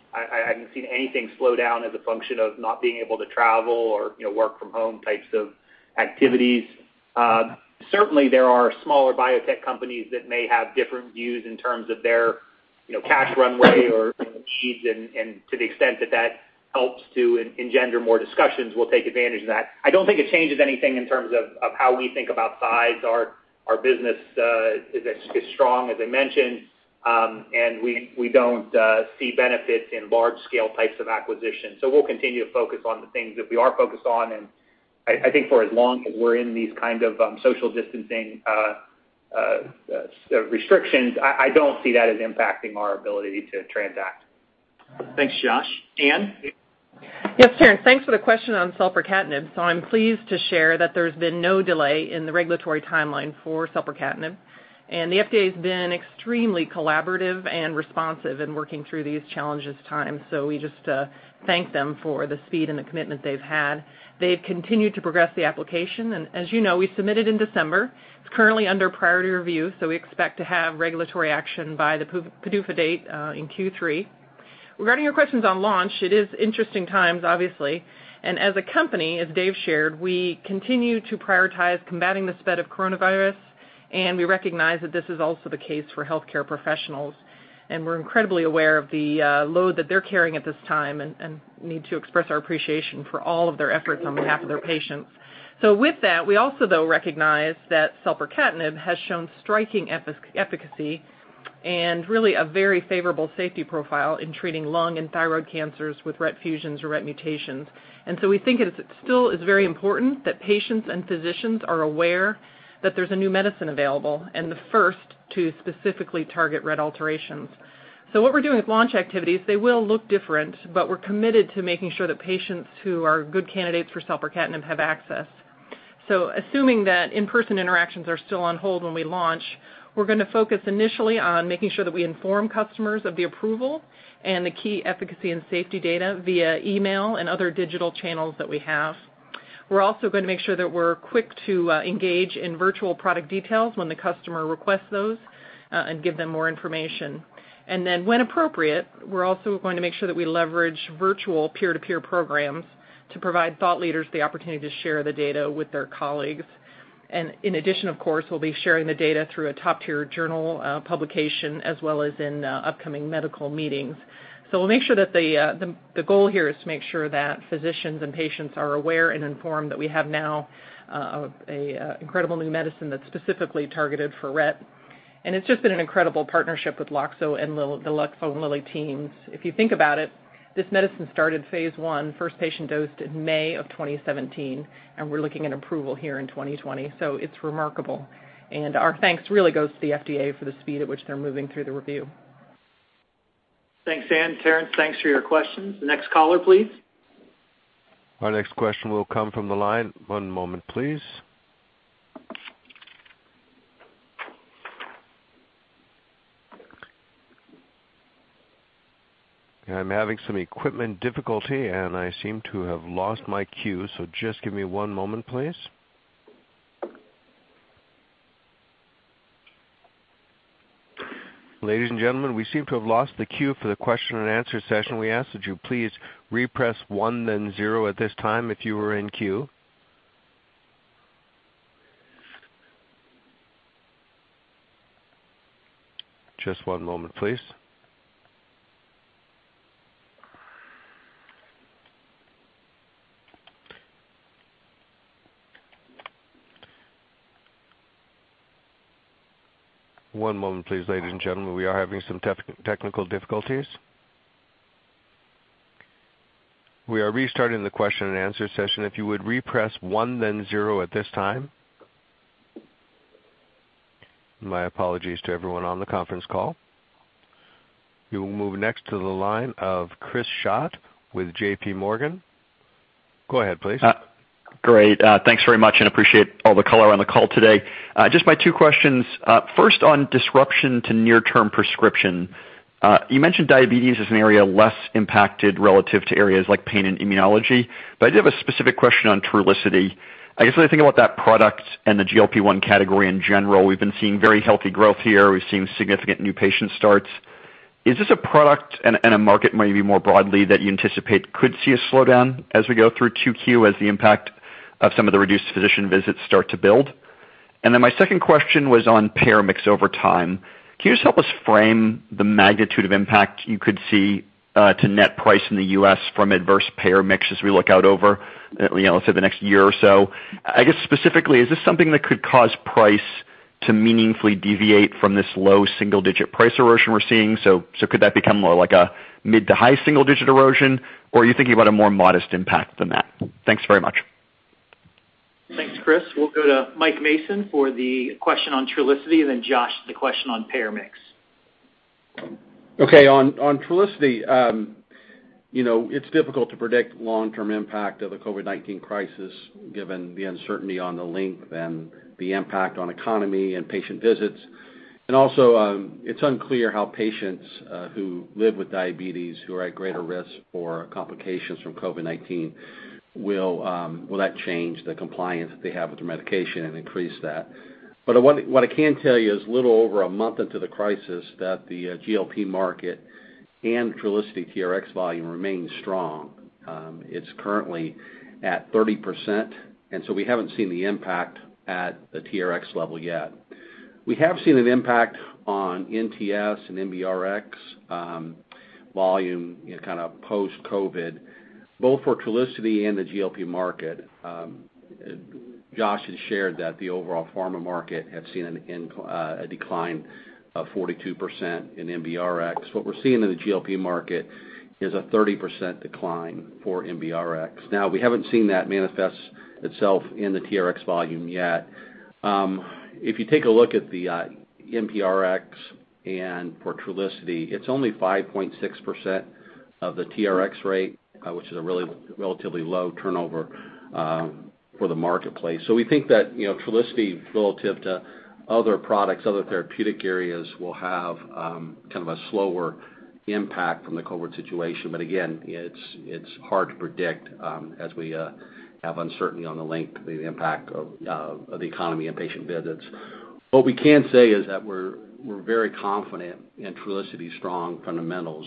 haven't seen anything slow down as a function of not being able to travel or work from home types of activities. Certainly, there are smaller biotech companies that may have different views in terms of their cash runway or sheets, and to the extent that that helps to engender more discussions, we'll take advantage of that. I don't think it changes anything in terms of how we think about size. Our business is as strong as I mentioned, and we don't see benefits in large-scale types of acquisitions. We'll continue to focus on the things that we are focused on, and I think for as long as we're in these kind of social distancing restrictions, I don't see that as impacting our ability to transact. Thanks, Josh. Anne? Terence, thanks for the question on selpercatinib. I'm pleased to share that there's been no delay in the regulatory timeline for selpercatinib, and the FDA has been extremely collaborative and responsive in working through these challenges time. We just thank them for the speed and the commitment they've had. They've continued to progress the application, and as you know, we submitted in December. It's currently under priority review, we expect to have regulatory action by the PDUFA date in Q3. Regarding your questions on launch, it is interesting times, obviously, and as a company, as Dave shared, we continue to prioritize combating the spread of coronavirus, and we recognize that this is also the case for healthcare professionals. We're incredibly aware of the load that they're carrying at this time and need to express our appreciation for all of their efforts on behalf of their patients. With that, we also though recognize that selpercatinib has shown striking efficacy and really a very favorable safety profile in treating lung and thyroid cancers with RET fusions or RET mutations. We think it still is very important that patients and physicians are aware that there's a new medicine available and the first to specifically target RET alterations. What we're doing with launch activities, they will look different, but we're committed to making sure that patients who are good candidates for selpercatinib have access. Assuming that in-person interactions are still on hold when we launch, we're going to focus initially on making sure that we inform customers of the approval and the key efficacy and safety data via email and other digital channels that we have. We're also going to make sure that we're quick to engage in virtual product details when the customer requests those and give them more information. When appropriate, we're also going to make sure that we leverage virtual peer-to-peer programs to provide thought leaders the opportunity to share the data with their colleagues. In addition, of course, we'll be sharing the data through a top-tier journal publication as well as in upcoming medical meetings. The goal here is to make sure that physicians and patients are aware and informed that we have now an incredible new medicine that's specifically targeted for RET, and it's just been an incredible partnership with the Loxo and Lilly teams. If you think about it, this medicine started phase I, first patient dosed in May of 2017, and we're looking at approval here in 2020, so it's remarkable. Our thanks really goes to the FDA for the speed at which they're moving through the review. Thanks, Anne. Terence, thanks for your questions. The next caller, please. Our next question will come from the line. One moment, please. I'm having some equipment difficulty, and I seem to have lost my queue, so just give me one moment, please. Ladies and gentlemen, we seem to have lost the queue for the question and answer session. We ask that you please re-press one, then zero at this time if you were in queue. Just one moment, please. One moment, please, ladies and gentlemen. We are having some technical difficulties. We are restarting the question and answer session. If you would re-press one, then zero at this time. My apologies to everyone on the conference call. We will move next to the line of Chris Schott with J.P. Morgan. Go ahead, please. Great. Thanks very much, appreciate all the color on the call today. Just my two questions. First, on disruption to near-term prescription, you mentioned diabetes as an area less impacted relative to areas like pain and immunology, I do have a specific question on Trulicity. I guess when I think about that product and the GLP-1 category in general, we've been seeing very healthy growth here. We've seen significant new patient starts. Is this a product and a market maybe more broadly, that you anticipate could see a slowdown as we go through 2Q as the impact of some of the reduced physician visits start to build? My second question was on payer mix over time. Can you just help us frame the magnitude of impact you could see to net price in the U.S. from adverse payer mix as we look out over, let's say, the next year or so? I guess specifically, is this something that could cause price to meaningfully deviate from this low single-digit price erosion we're seeing? Could that become more like a mid to high single-digit erosion, or are you thinking about a more modest impact than that? Thanks very much. Thanks, Chris. We'll go to Mike Mason for the question on Trulicity, and then Josh, the question on payer mix. Okay. On Trulicity, it's difficult to predict long-term impact of the COVID-19 crisis given the uncertainty on the length and the impact on economy and patient visits. Also, it's unclear how patients who live with diabetes who are at greater risk for complications from COVID-19, will that change the compliance that they have with their medication and increase that. What I can tell you is a little over a month into the crisis, that the GLP market and Trulicity TRx volume remains strong. It's currently at 30%, and so we haven't seen the impact at the TRx level yet. We have seen an impact on NTS and NBRx volume, kind of post-COVID, both for Trulicity and the GLP market. Josh has shared that the overall pharma market had seen a decline of 42% in NBRx. What we're seeing in the GLP market is a 30% decline for NBRx. We haven't seen that manifest itself in the TRx volume yet. If you take a look at the NPRx and for Trulicity, it's only 5.6% of the TRx rate, which is a really relatively low turnover for the marketplace. We think that Trulicity, relative to other products, other therapeutic areas, will have kind of a slower impact from the COVID situation. Again, it's hard to predict as we have uncertainty on the length of the impact of the economy and patient visits. What we can say is that we're very confident in Trulicity's strong fundamentals.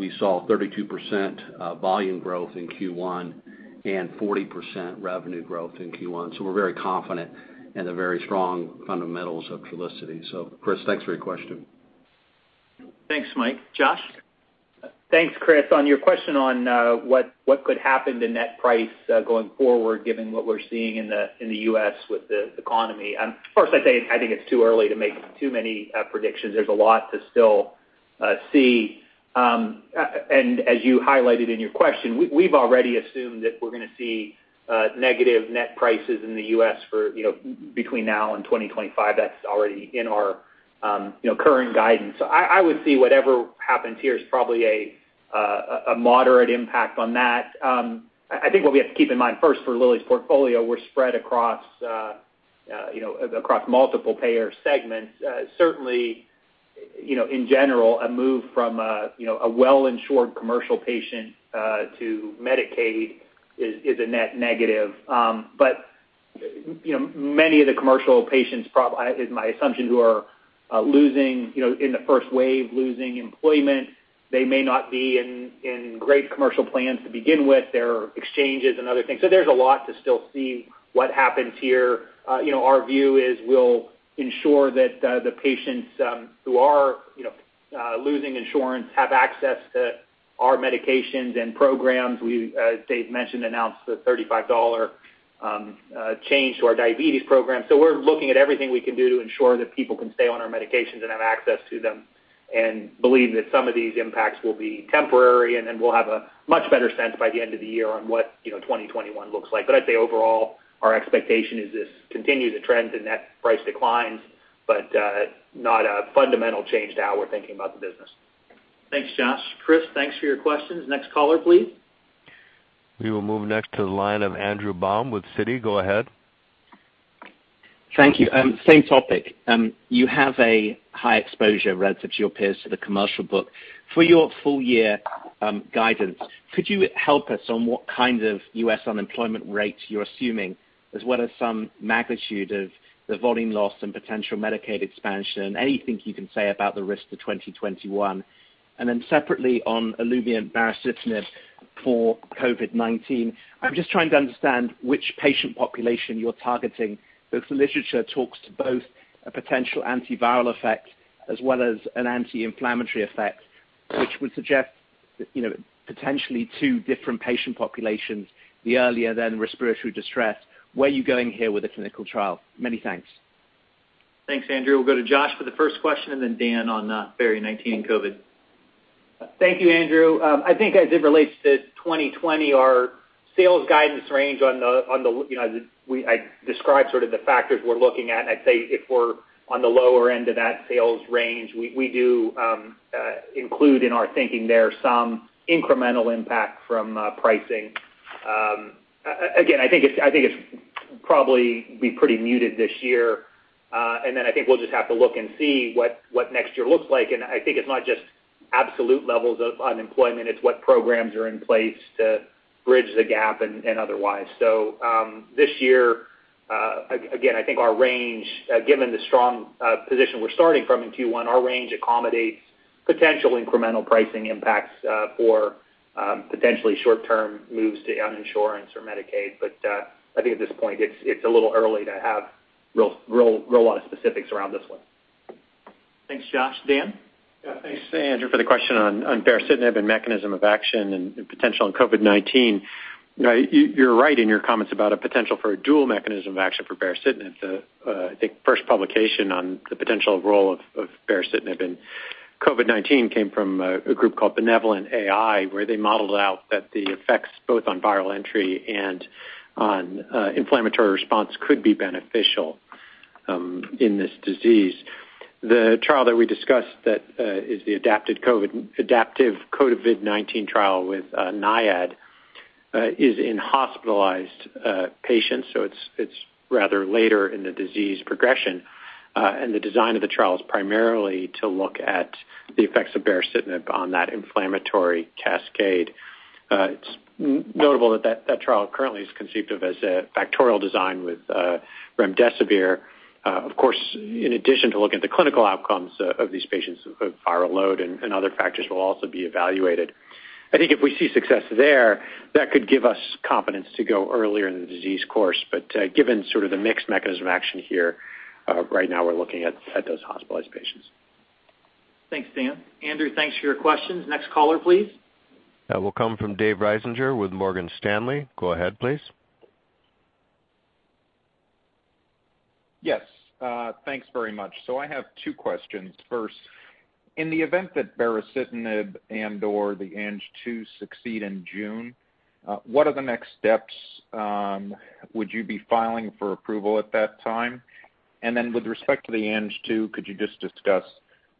We saw 32% volume growth in Q1 and 40% revenue growth in Q1. We're very confident in the very strong fundamentals of Trulicity. Chris, thanks for your question. Thanks, Mike. Josh? Thanks, Chris. On your question on what could happen to net price going forward given what we're seeing in the U.S. with the economy, I'd say I think it's too early to make too many predictions. There's a lot to still see. As you highlighted in your question, we've already assumed that we're going to see negative net prices in the U.S. between now and 2025. That's already in our current guidance. I would see whatever happens here is probably a moderate impact on that. I think what we have to keep in mind first for Lilly's portfolio, we're spread across multiple payer segments. Certainly, in general, a move from a well-insured commercial patient to Medicaid is a net negative. Many of the commercial patients probably, is my assumption, who are losing in the first wave, losing employment, they may not be in great commercial plans to begin with. There are exchanges and other things. There's a lot to still see what happens here. Our view is we'll ensure that the patients who are losing insurance have access to our medications and programs. As Dave mentioned, announced the $35 change to our diabetes program. We're looking at everything we can do to ensure that people can stay on our medications and have access to them, and believe that some of these impacts will be temporary, and then we'll have a much better sense by the end of the year on what 2021 looks like. I'd say overall, our expectation is this continues a trend to net price declines, but not a fundamental change to how we're thinking about the business. Thanks, Josh. Chris, thanks for your questions. Next caller, please. We will move next to the line of Andrew Baum with Citi. Go ahead. Thank you. Same topic. You have a high exposure relative to your peers to the commercial book. For your full year guidance, could you help us on what kind of U.S. unemployment rate you're assuming, as well as some magnitude of the volume loss and potential Medicaid expansion? Anything you can say about the risk to 2021? Separately on Olumiant baricitinib for COVID-19, I'm just trying to understand which patient population you're targeting, because the literature talks to both a potential antiviral effect as well as an anti-inflammatory effect, which would suggest potentially two different patient populations, the earlier then respiratory distress. Where are you going here with the clinical trial? Many thanks. Thanks, Andrew. We'll go to Josh for the first question and then Dan on baricitinib COVID-19. Thank you, Andrew. I think as it relates to 2020, our sales guidance range I described sort of the factors we're looking at, and I'd say if we're on the lower end of that sales range, we do include in our thinking there some incremental impact from pricing. Probably be pretty muted this year. I think we'll just have to look and see what next year looks like. I think it's not just absolute levels of unemployment, it's what programs are in place to bridge the gap and otherwise. This year, again, I think our range, given the strong position we're starting from in Q1, our range accommodates potential incremental pricing impacts for potentially short-term moves to uninsurance or Medicaid. I think at this point it's a little early to have real lot of specifics around this one. Thanks, Josh. Dan? Yeah. Thanks, Andrew, for the question on baricitinib and mechanism of action and potential in COVID-19. You're right in your comments about a potential for a dual mechanism of action for baricitinib. The, I think, first publication on the potential role of baricitinib in COVID-19 came from a group called BenevolentAI, where they modeled out that the effects both on viral entry and on inflammatory response could be beneficial in this disease. The trial that we discussed that is the adaptive COVID-19 trial with NIAID is in hospitalized patients, so it's rather later in the disease progression. The design of the trial is primarily to look at the effects of baricitinib on that inflammatory cascade. It's notable that that trial currently is conceived of as a factorial design with remdesivir. In addition to looking at the clinical outcomes of these patients with viral load and other factors will also be evaluated. I think if we see success there, that could give us confidence to go earlier in the disease course. Given sort of the mixed mechanism of action here, right now we're looking at those hospitalized patients. Thanks, Dan. Andrew, thanks for your questions. Next caller, please. That will come from David Risinger with Morgan Stanley. Go ahead, please. Yes. Thanks very much. I have two questions. First, in the event that baricitinib and/or the Ang2 succeed in June, what are the next steps? Would you be filing for approval at that time? With respect to the Ang2, could you just discuss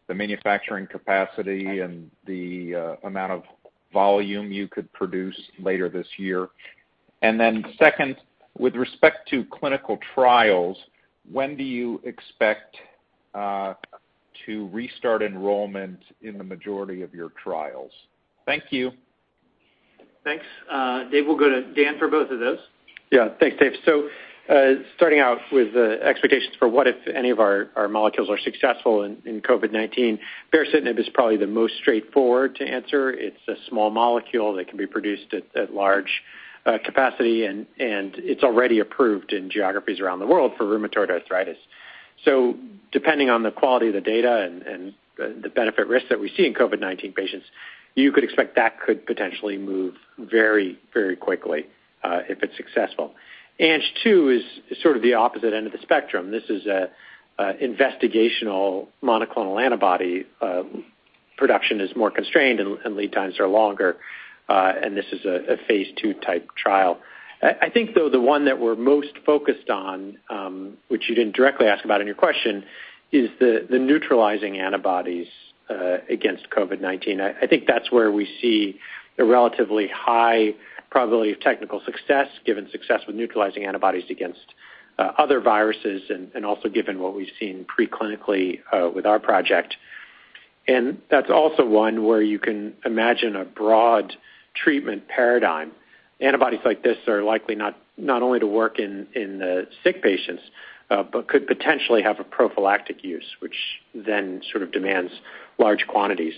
the manufacturing capacity and the amount of volume you could produce later this year? Second, with respect to clinical trials, when do you expect to restart enrollment in the majority of your trials? Thank you. Thanks, Dave. We'll go to Dan for both of those. Thanks, Dave. Starting out with expectations for what, if any, of our molecules are successful in COVID-19. baricitinib is probably the most straightforward to answer. It's a small molecule that can be produced at large capacity and it's already approved in geographies around the world for rheumatoid arthritis. Depending on the quality of the data and the benefit risk that we see in COVID-19 patients, you could expect that could potentially move very quickly, if it's successful. Ang2 is sort of the opposite end of the spectrum. This is a investigational monoclonal antibody. Production is more constrained and lead times are longer. This is a phase II type trial. I think though the one that we're most focused on, which you didn't directly ask about in your question, is the neutralizing antibodies against COVID-19. I think that's where we see a relatively high probability of technical success, given success with neutralizing antibodies against other viruses and also given what we've seen pre-clinically with our project. That's also one where you can imagine a broad treatment paradigm. Antibodies like this are likely not only to work in the sick patients, but could potentially have a prophylactic use, which then sort of demands large quantities.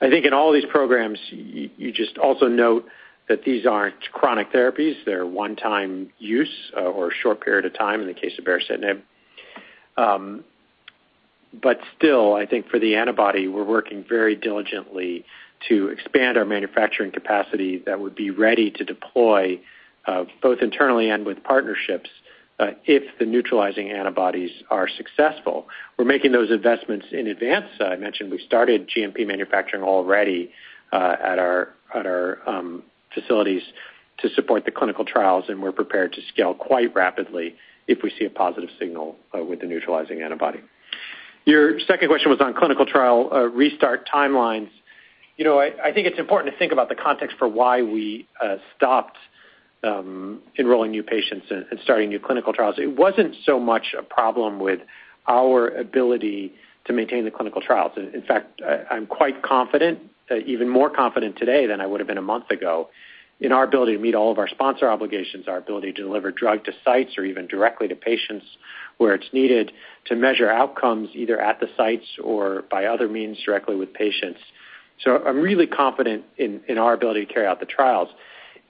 I think in all these programs, you just also note that these aren't chronic therapies. They're one-time use, or a short period of time in the case of baricitinib. Still, I think for the antibody, we're working very diligently to expand our manufacturing capacity that would be ready to deploy both internally and with partnerships if the neutralizing antibodies are successful. We're making those investments in advance. I mentioned we've started GMP manufacturing already at our facilities to support the clinical trials, and we're prepared to scale quite rapidly if we see a positive signal with the neutralizing antibody. Your second question was on clinical trial restart timelines. I think it's important to think about the context for why we stopped enrolling new patients and starting new clinical trials. It wasn't so much a problem with our ability to maintain the clinical trials. In fact, I'm quite confident, even more confident today than I would've been a month ago, in our ability to meet all of our sponsor obligations, our ability to deliver drug to sites or even directly to patients where it's needed to measure outcomes, either at the sites or by other means directly with patients. I'm really confident in our ability to carry out the trials.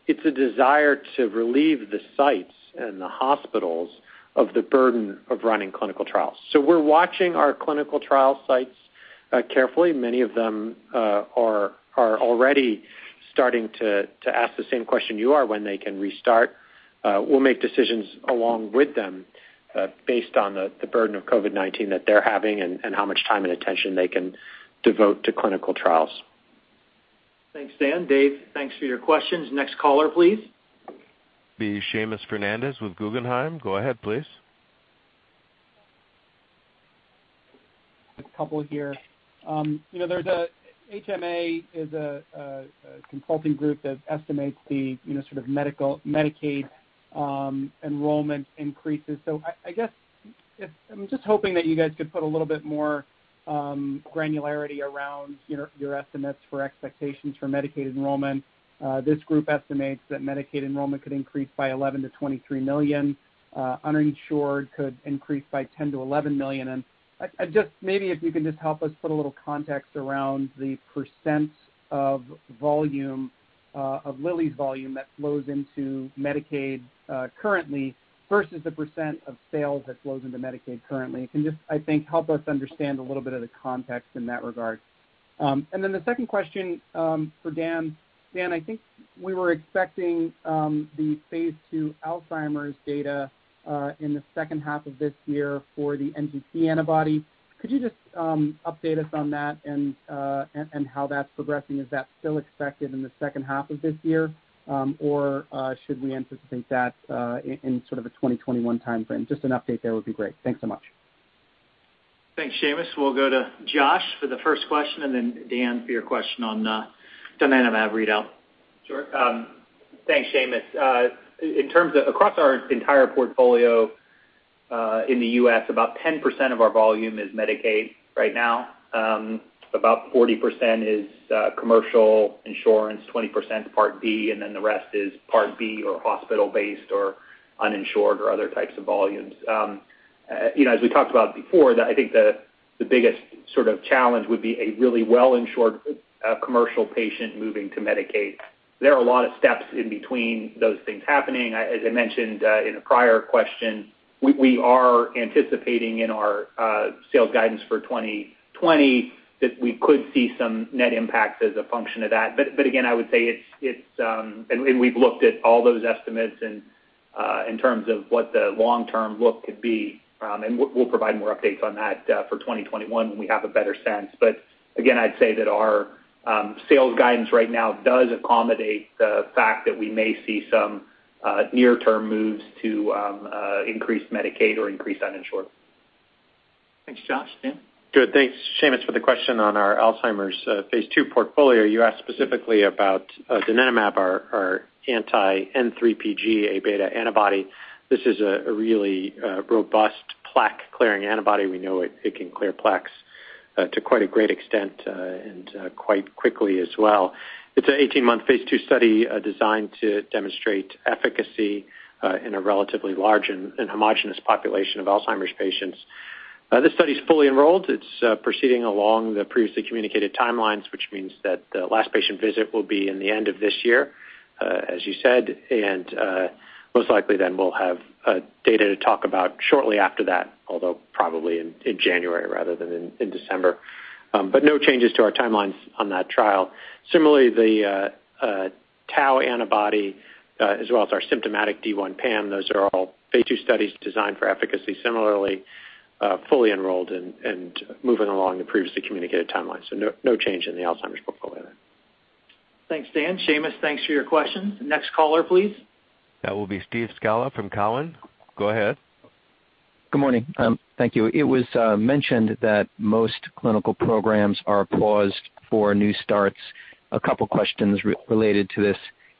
It's a desire to relieve the sites and the hospitals of the burden of running clinical trials. We're watching our clinical trial sites carefully. Many of them are already starting to ask the same question you are, when they can restart. We'll make decisions along with them based on the burden of COVID-19 that they're having and how much time and attention they can devote to clinical trials. Thanks, Dan. Dave, thanks for your questions. Next caller, please. Seamus Fernandez with Guggenheim. Go ahead, please. A couple here. HMA is a consulting group that estimates the sort of Medicaid enrollment increases. I'm just hoping that you guys could put a little bit more granularity around your estimates for expectations for Medicaid enrollment. This group estimates that Medicaid enrollment could increase by $11 million-$23 million. Uninsured could increase by $10 million-$11 million. Maybe if you can just help us put a little context around the % of Lilly's volume that flows into Medicaid currently versus the % of sales that flows into Medicaid currently. It can just, I think, help us understand a little bit of the context in that regard. Then the second question for Dan. Dan, I think we were expecting the phase II Alzheimer's data in the second half of this year for the N3pG antibody. Could you just update us on that and how that's progressing? Is that still expected in the second half of this year? Should we anticipate that in sort of a 2021 timeframe? Just an update there would be great. Thanks so much. Thanks, Seamus. We'll go to Josh for the first question, and then Dan for your question on donanemab readout. Sure. Thanks, Seamus. Across our entire portfolio in the U.S., about 10% of our volume is Medicaid right now. About 40% is commercial insurance, 20% is Part D, and then the rest is Part B or hospital-based or uninsured or other types of volumes. As we talked about before, I think the biggest sort of challenge would be a really well-insured commercial patient moving to Medicaid. There are a lot of steps in between those things happening. As I mentioned in a prior question, we are anticipating in our sales guidance for 2020 that we could see some net impact as a function of that. Again, I would say we've looked at all those estimates and in terms of what the long-term look could be, and we'll provide more updates on that for 2021 when we have a better sense. Again, I'd say that our sales guidance right now does accommodate the fact that we may see some near-term moves to increased Medicaid or increased uninsured. Thanks, Josh. Dan? Thanks, Seamus, for the question on our Alzheimer's phase II portfolio. You asked specifically about donanemab, our anti-N3pG, A-beta antibody. This is a really robust plaque-clearing antibody. We know it can clear plaques to quite a great extent and quite quickly as well. It's an 18-month phase II study designed to demonstrate efficacy in a relatively large and homogenous population of Alzheimer's patients. This study is fully enrolled. It's proceeding along the previously communicated timelines, which means that the last patient visit will be in the end of this year, as you said. Most likely then we'll have data to talk about shortly after that, although probably in January rather than in December. No changes to our timelines on that trial. Similarly, the tau antibody as well as our symptomatic D1 PAM, those are all phase II studies designed for efficacy. Similarly, fully enrolled and moving along the previously communicated timeline. No change in the Alzheimer's portfolio. Thanks, Dan. Seamus, thanks for your questions. Next caller, please. That will be Steve Scala from Cowen. Go ahead. Good morning. Thank you. It was mentioned that most clinical programs are paused for new starts. A couple questions related to this.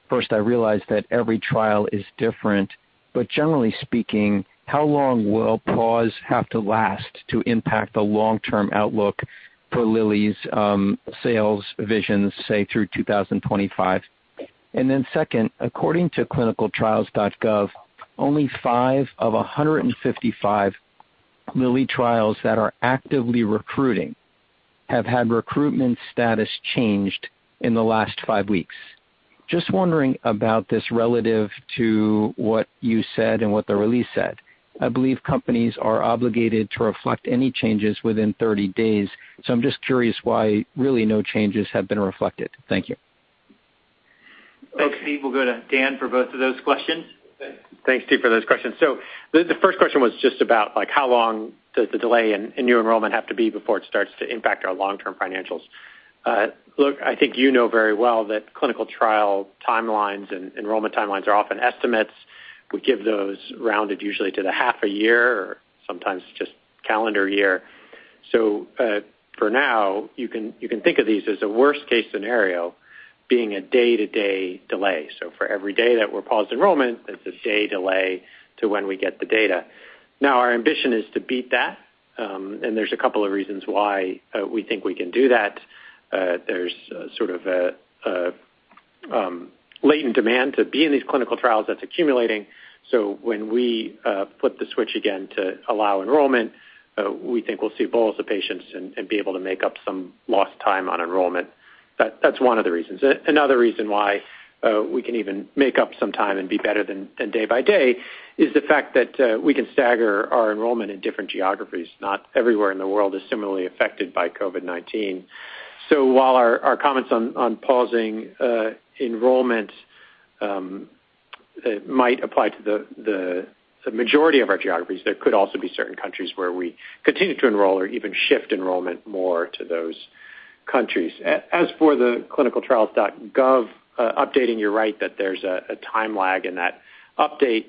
First, I realize that every trial is different, but generally speaking, how long will pause have to last to impact the long-term outlook for Lilly's sales vision, say, through 2025? Second, according to clinicaltrials.gov, only five of 155 Lilly trials that are actively recruiting have had recruitment status changed in the last five weeks. Just wondering about this relative to what you said and what the release said. I believe companies are obligated to reflect any changes within 30 days, so I'm just curious why really no changes have been reflected. Thank you. Thanks, Steve. We'll go to Dan for both of those questions. Thanks, Steve, for those questions. The first question was just about how long does the delay in new enrollment have to be before it starts to impact our long-term financials? Look, I think you know very well that clinical trial timelines and enrollment timelines are often estimates. We give those rounded usually to the half a year or sometimes just calendar year. For now, you can think of these as a worst-case scenario being a day-to-day delay. For every day that we're paused enrollment, it's a day delay to when we get the data. Our ambition is to beat that, and there's a couple of reasons why we think we can do that. There's sort of a latent demand to be in these clinical trials that's accumulating. When we flip the switch again to allow enrollment, we think we'll see pools of patients and be able to make up some lost time on enrollment. That's one of the reasons. Another reason why we can even make up some time and be better than day by day is the fact that we can stagger our enrollment in different geographies. Not everywhere in the world is similarly affected by COVID-19. While our comments on pausing enrollment might apply to the majority of our geographies, there could also be certain countries where we continue to enroll or even shift enrollment more to those countries. As for the clinicaltrials.gov updating, you're right that there's a time lag in that update.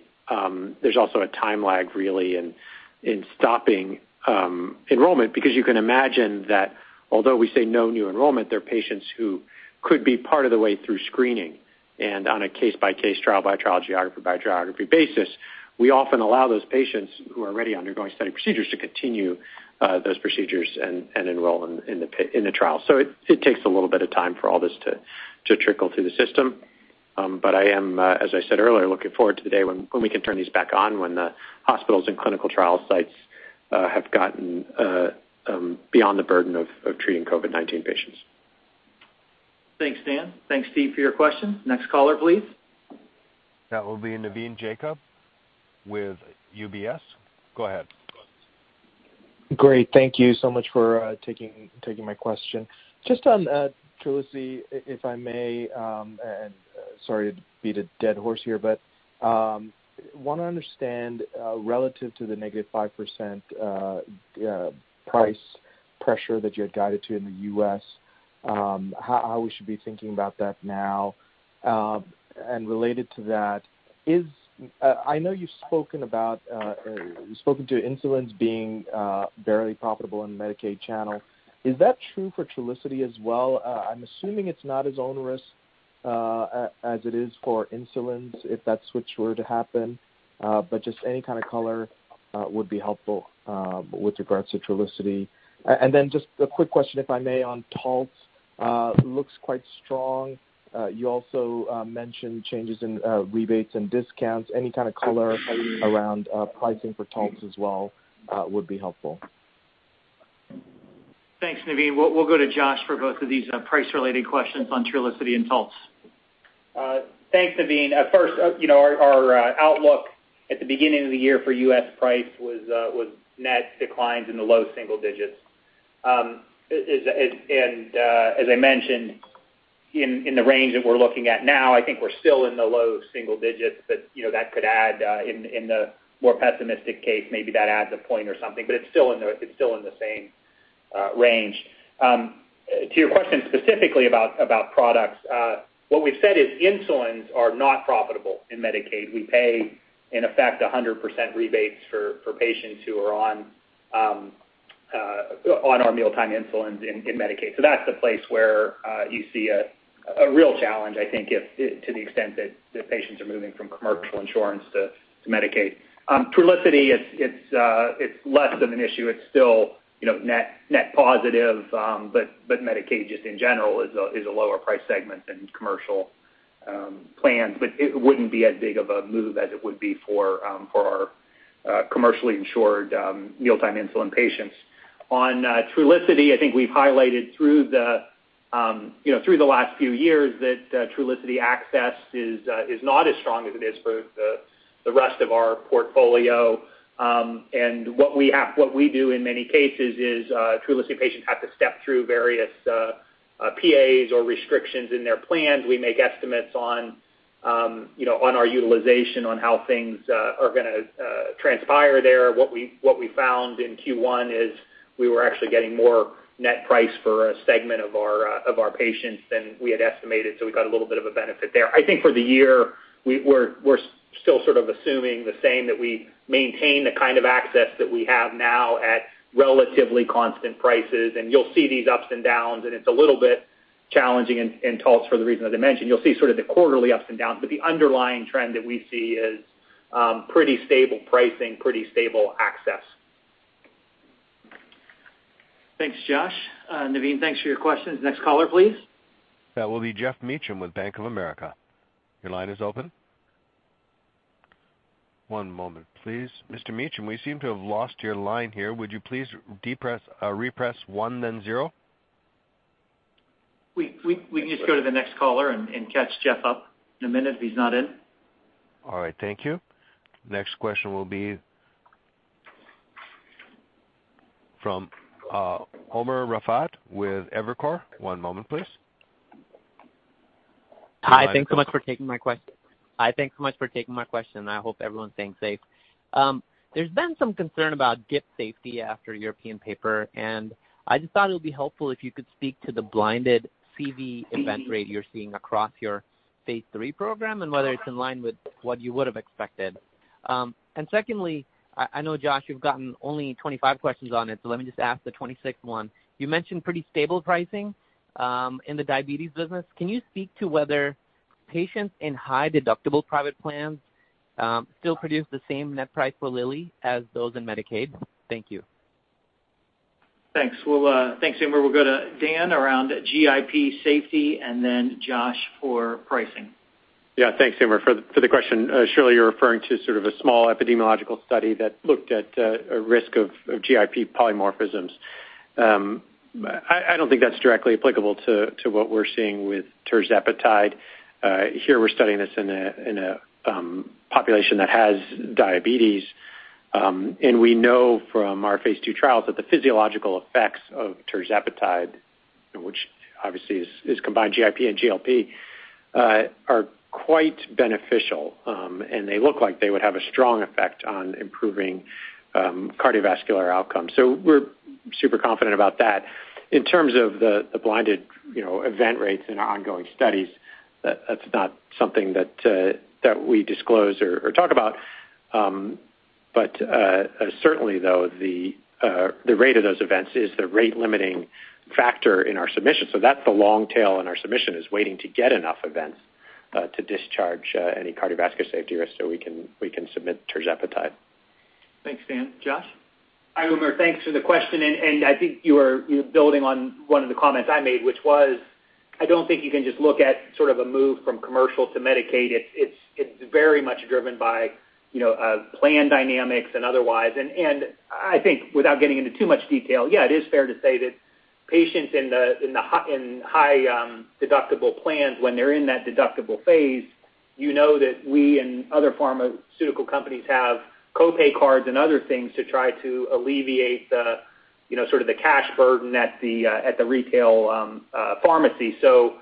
There's also a time lag, really, in stopping enrollment, because you can imagine that although we say no new enrollment, there are patients who could be part of the way through screening. On a case-by-case, trial-by-trial, geography-by-geography basis, we often allow those patients who are already undergoing study procedures to continue those procedures and enroll in the trial. It takes a little bit of time for all this to trickle through the system. I am, as I said earlier, looking forward to the day when we can turn these back on, when the hospitals and clinical trial sites have gotten beyond the burden of treating COVID-19 patients. Thanks, Dan. Thanks, Steve, for your question. Next caller, please. That will be Navin Jacob with UBS. Go ahead. Great. Thank you so much for taking my question. On Trulicity, if I may, and sorry to beat a dead horse here, but want to understand, relative to the negative 5% price pressure that you had guided to in the U.S., how we should be thinking about that now. Related to that, I know you've spoken to insulins being barely profitable in the Medicaid channel. Is that true for Trulicity as well? I'm assuming it's not as onerous as it is for insulins, if that switch were to happen. Any kind of color would be helpful with regards to Trulicity. Then just a quick question, if I may, on Taltz. Looks quite strong. You also mentioned changes in rebates and discounts. Any kind of color around pricing for Taltz as well would be helpful. Thanks, Navin. We'll go to Josh for both of these price-related questions on Trulicity and Taltz. Thanks, Navin. First, our outlook at the beginning of the year for U.S. price was net declines in the low single digits. As I mentioned, in the range that we're looking at now, I think we're still in the low single digits. In the more pessimistic case, maybe that adds a point or something, it's still in the same range. To your question specifically about products, what we've said is insulins are not profitable in Medicaid. We pay, in effect, 100% rebates for patients who are on our mealtime insulin in Medicaid. That's a place where you see a real challenge, I think, to the extent that patients are moving from commercial insurance to Medicaid. Trulicity, it's less of an issue. It's still net positive. Medicaid, just in general, is a lower price segment than commercial plans. It wouldn't be as big of a move as it would be for our commercially insured mealtime insulin patients. On Trulicity, I think we've highlighted through the last few years that Trulicity access is not as strong as it is for the rest of our portfolio. What we do in many cases is Trulicity patients have to step through various PAs or restrictions in their plans. We make estimates on our utilization on how things are going to transpire there. What we found in Q1 is we were actually getting more net price for a segment of our patients than we had estimated. We got a little bit of a benefit there. I think for the year, we're still sort of assuming the same, that we maintain the kind of access that we have now at relatively constant prices, and you'll see these ups and downs, and it's a little bit challenging in Taltz for the reason that I mentioned. You'll see sort of the quarterly ups and downs. But the underlying trend that we see is pretty stable pricing, pretty stable access. Thanks, Josh. Navin, thanks for your questions. Next caller, please. That will be Geoff Meacham with Bank of America. Your line is open. One moment, please. Mr. Meacham, we seem to have lost your line here. Would you please re-press one then zero? We can just go to the next caller and catch Geoff up in a minute if he's not in. All right. Thank you. Next question will be from Umer Raffat with Evercore. One moment please. Hi. Thanks so much for taking my question. I hope everyone's staying safe. There's been some concern about GIP safety after a European paper. I just thought it would be helpful if you could speak to the blinded CV event rate you're seeing across your phase III program and whether it's in line with what you would have expected. Secondly, I know, Josh, you've gotten only 25 questions on it, so let me just ask the 26th one. You mentioned pretty stable pricing in the diabetes business. Can you speak to whether patients in high-deductible private plans still produce the same net price for Lilly as those in Medicaid? Thank you. Thanks. Well, thanks, Umer. We'll go to Dan around GIP safety and then Josh for pricing. Thanks, Umer, for the question. Surely, you're referring to sort of a small epidemiological study that looked at a risk of GIP polymorphisms. I don't think that's directly applicable to what we're seeing with tirzepatide. Here, we're studying this in a population that has diabetes. We know from our phase II trials that the physiological effects of tirzepatide, which obviously is combined GIP and GLP are quite beneficial, and they look like they would have a strong effect on improving cardiovascular outcomes. We're super confident about that. In terms of the blinded event rates in our ongoing studies, that's not something that we disclose or talk about. Certainly though, the rate of those events is the rate-limiting factor in our submission. That's the long tail in our submission is waiting to get enough events to discharge any cardiovascular safety risk so we can submit tirzepatide. Thanks, Dan. Josh? Hi, Umer. Thanks for the question. I think you're building on one of the comments I made, which was, I don't think you can just look at sort of a move from commercial to Medicaid. It's very much driven by plan dynamics and otherwise. I think without getting into too much detail, yeah, it is fair to say that patients in high deductible plans, when they're in that deductible phase, you know that we and other pharmaceutical companies have co-pay cards and other things to try to alleviate the sort of the cash burden at the retail pharmacy. The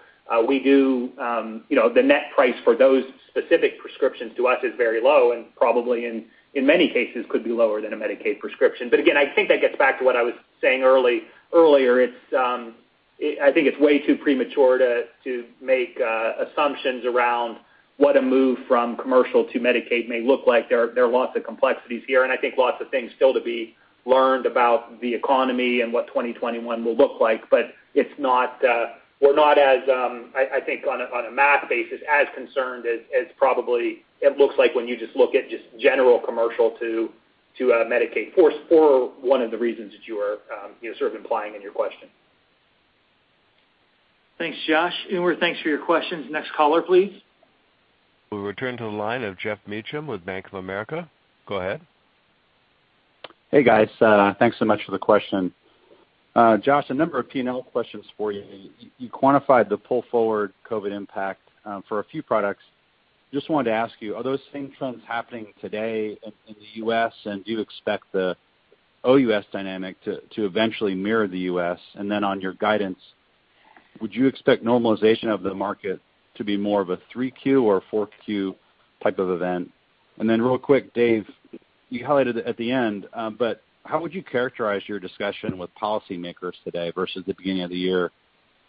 net price for those specific prescriptions to us is very low and probably in many cases could be lower than a Medicaid prescription. Again, I think that gets back to what I was saying earlier. I think it's way too premature to make assumptions around what a move from commercial to Medicaid may look like. There are lots of complexities here. I think lots of things still to be learned about the economy and what 2021 will look like. We're not as, I think on a math basis, as concerned as probably it looks like when you just look at just general commercial to Medicaid for one of the reasons that you are sort of implying in your question. Thanks, Josh. Umer, thanks for your questions. Next caller, please. We'll return to the line of Geoff Meacham with Bank of America. Go ahead. Hey, guys. Thanks so much for the question. Josh, a number of P&L questions for you. You quantified the pull forward COVID impact for a few products. Just wanted to ask you, are those same trends happening today in the U.S. and do you expect the OUS dynamic to eventually mirror the U.S.? On your guidance, would you expect normalization of the market to be more of a 3Q or a 4Q type of event? Real quick, Dave, you highlighted at the end, but how would you characterize your discussion with policymakers today versus the beginning of the year,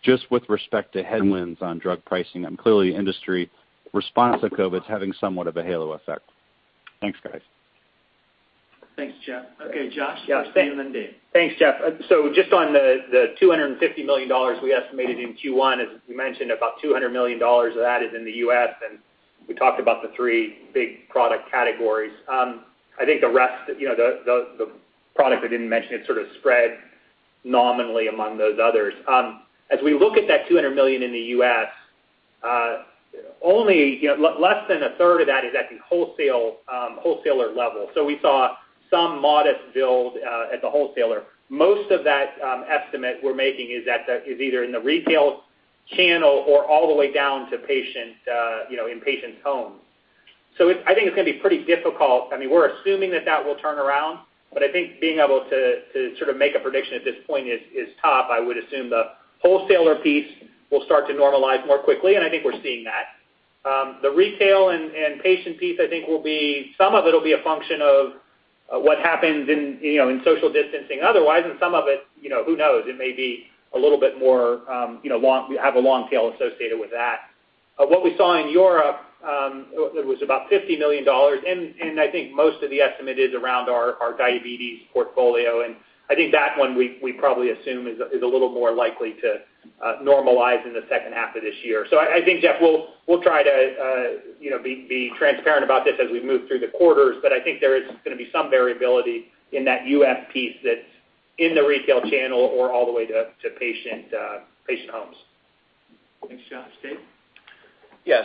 just with respect to headwinds on drug pricing? Clearly industry response to COVID's having somewhat of a halo effect. Thanks, guys. Thanks, Geoff. Okay, Josh. Yeah Dave. Thanks, Geoff. Just on the $250 million we estimated in Q1, as we mentioned, about $200 million of that is in the U.S., and we talked about the 3 big product categories. I think the rest, the product I didn't mention is sort of spread nominally among those others. We look at that $200 million in the U.S., less than a third of that is at the wholesaler level. We saw some modest build at the wholesaler. Most of that estimate we're making is either in the retail channel or all the way down in patients' homes. I think it's going to be pretty difficult. We're assuming that that will turn around, but I think being able to sort of make a prediction at this point is tough. I would assume the wholesaler piece will start to normalize more quickly, and I think we're seeing that. The retail and patient piece I think some of it'll be a function of what happens in social distancing otherwise, and some of it who knows? It may be a little bit more, have a long tail associated with that. What we saw in Europe, it was about $50 million, and I think most of the estimate is around our diabetes portfolio, and I think that one we probably assume is a little more likely to normalize in the second half of this year. I think, Geoff, we'll try to be transparent about this as we move through the quarters, but I think there is going to be some variability in that U.S. piece that's in the retail channel or all the way to patient homes. Thanks, Josh. Dave?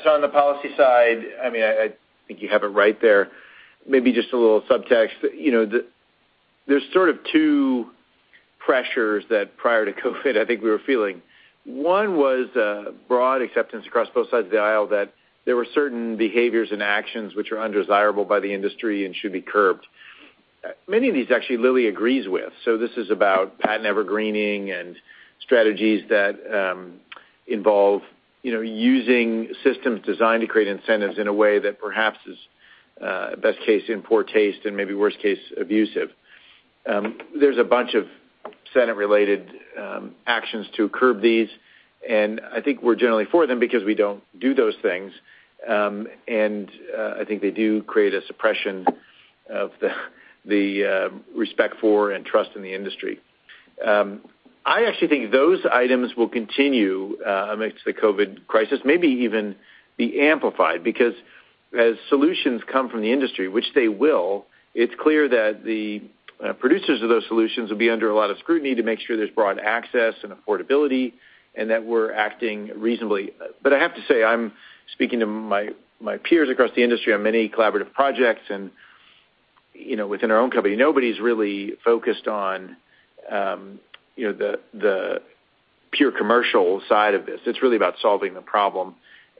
On the policy side, I think you have it right there. Maybe just a little subtext. There is sort of two pressures that prior to COVID I think we were feeling. One was a broad acceptance across both sides of the aisle that there were certain behaviors and actions which are undesirable by the industry and should be curbed. Many of these actually Lilly agrees with, so this is about patent evergreening and strategies that involve using systems designed to create incentives in a way that perhaps is, best case, in poor taste and maybe worst case, abusive. There is a bunch of Senate-related actions to curb these, and I think we are generally for them because we do not do those things. I think they do create a suppression of the respect for and trust in the industry. I actually think those items will continue amidst the COVID-19 crisis, maybe even be amplified because as solutions come from the industry, which they will, it's clear that the producers of those solutions will be under a lot of scrutiny to make sure there's broad access and affordability and that we're acting reasonably. I have to say, I'm speaking to my peers across the industry on many collaborative projects and within our own company, nobody's really focused on the pure commercial side of this. It's really about solving the problem,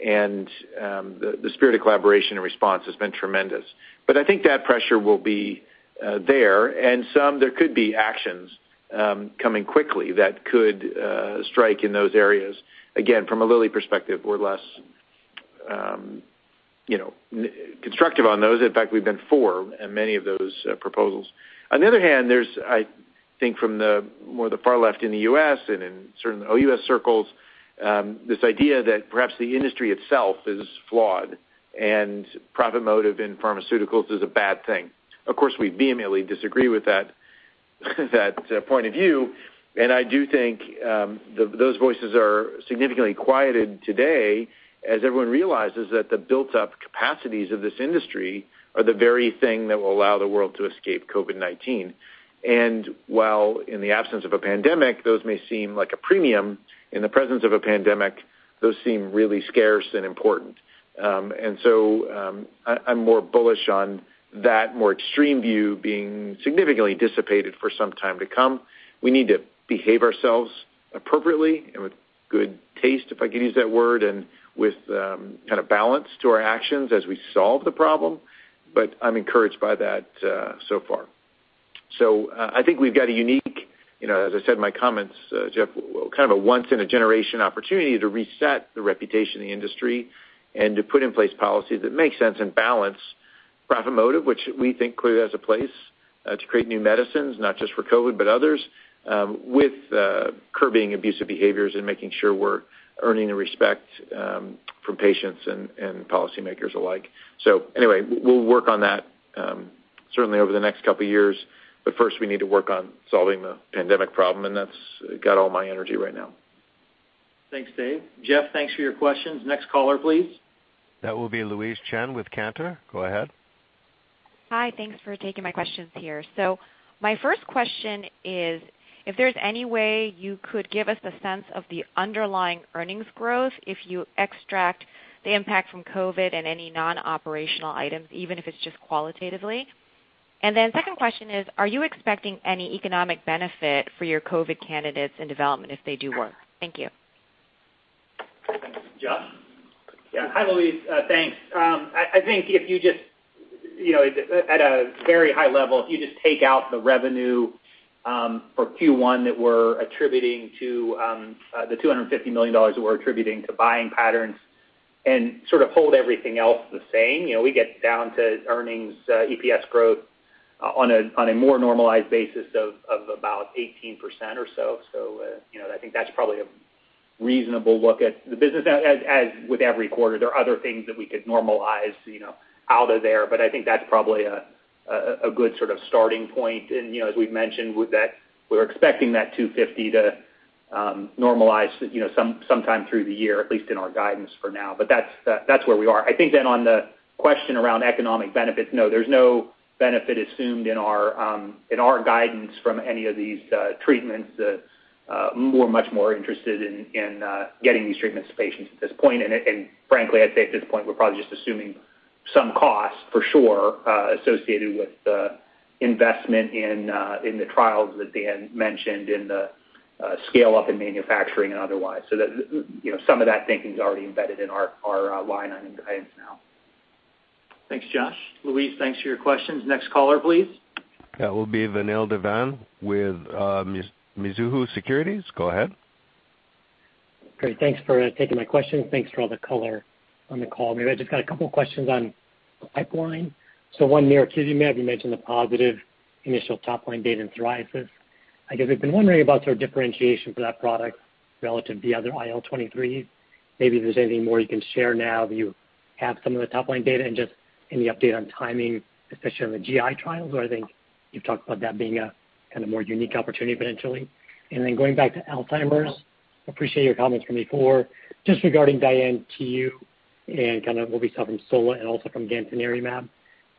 and the spirit of collaboration and response has been tremendous. I think that pressure will be there and some there could be actions coming quickly that could strike in those areas. Again, from a Lilly perspective, we're less constructive on those. In fact, we've been for many of those proposals. On the other hand, there's, I think from the more the far left in the U.S. and in certain U.S. circles, this idea that perhaps the industry itself is flawed and profit motive in pharmaceuticals is a bad thing. Of course, we vehemently disagree with that point of view, I do think those voices are significantly quieted today as everyone realizes that the built-up capacities of this industry are the very thing that will allow the world to escape COVID-19. While in the absence of a pandemic, those may seem like a premium, in the presence of a pandemic, those seem really scarce and important. I'm more bullish on that more extreme view being significantly dissipated for some time to come. We need to behave ourselves appropriately and with good taste, if I can use that word, and with balance to our actions as we solve the problem, but I'm encouraged by that so far. I think we've got a unique, as I said in my comments, Geoff, kind of a once in a generation opportunity to reset the reputation of the industry and to put in place policies that make sense and balance profit motive, which we think clearly has a place to create new medicines, not just for COVID-19, but others, with curbing abusive behaviors and making sure we're earning the respect from patients and policymakers alike. Anyway, we'll work on that certainly over the next couple of years. First we need to work on solving the pandemic problem, and that's got all my energy right now. Thanks, Dave. Geoff, thanks for your questions. Next caller, please. That will be Louise Chen with Cantor. Go ahead. Hi. Thanks for taking my questions here. My first question is if there's any way you could give us a sense of the underlying earnings growth if you extract the impact from COVID and any non-operational items, even if it's just qualitatively. Second question is, are you expecting any economic benefit for your COVID candidates in development if they do work? Thank you. Josh? Yeah. Hi, Louise. Thanks. I think at a very high level, if you just take out the revenue for Q1 that we're attributing to the $250 million that we're attributing to buying patterns and sort of hold everything else the same, we get down to earnings EPS growth on a more normalized basis of about 18% or so. I think that's probably a reasonable look at the business. As with every quarter, there are other things that we could normalize out of there, but I think that's probably a good sort of starting point. As we've mentioned, we're expecting that $250 to normalize sometime through the year, at least in our guidance for now. That's where we are. I think on the question around economic benefits, no, there's no benefit assumed in our guidance from any of these treatments. We're much more interested in getting these treatments to patients at this point. Frankly, I'd say at this point, we're probably just assuming some cost for sure associated with the investment in the trials that Dan mentioned in the scale-up in manufacturing and otherwise. Some of that thinking's already embedded in our line item guidance now. Thanks, Josh. Louise, thanks for your questions. Next caller, please. That will be Vamil Divan with Mizuho Securities. Go ahead. Great. Thanks for taking my question. Thanks for all the color on the call. Maybe I just got a couple questions on the pipeline. One mirikizumab, you mentioned the positive initial top-line data in psoriasis. I guess I've been wondering about sort of differentiation for that product relative to the other IL-23. Maybe if there's anything more you can share now that you have some of the top-line data and just any update on timing, especially on the GI trials where I think you've talked about that being a kind of more unique opportunity potentially. Going back to Alzheimer's, appreciate your comments from before just regarding DIAN-TU and kind of what we saw from solanezumab and also from gantenerumab.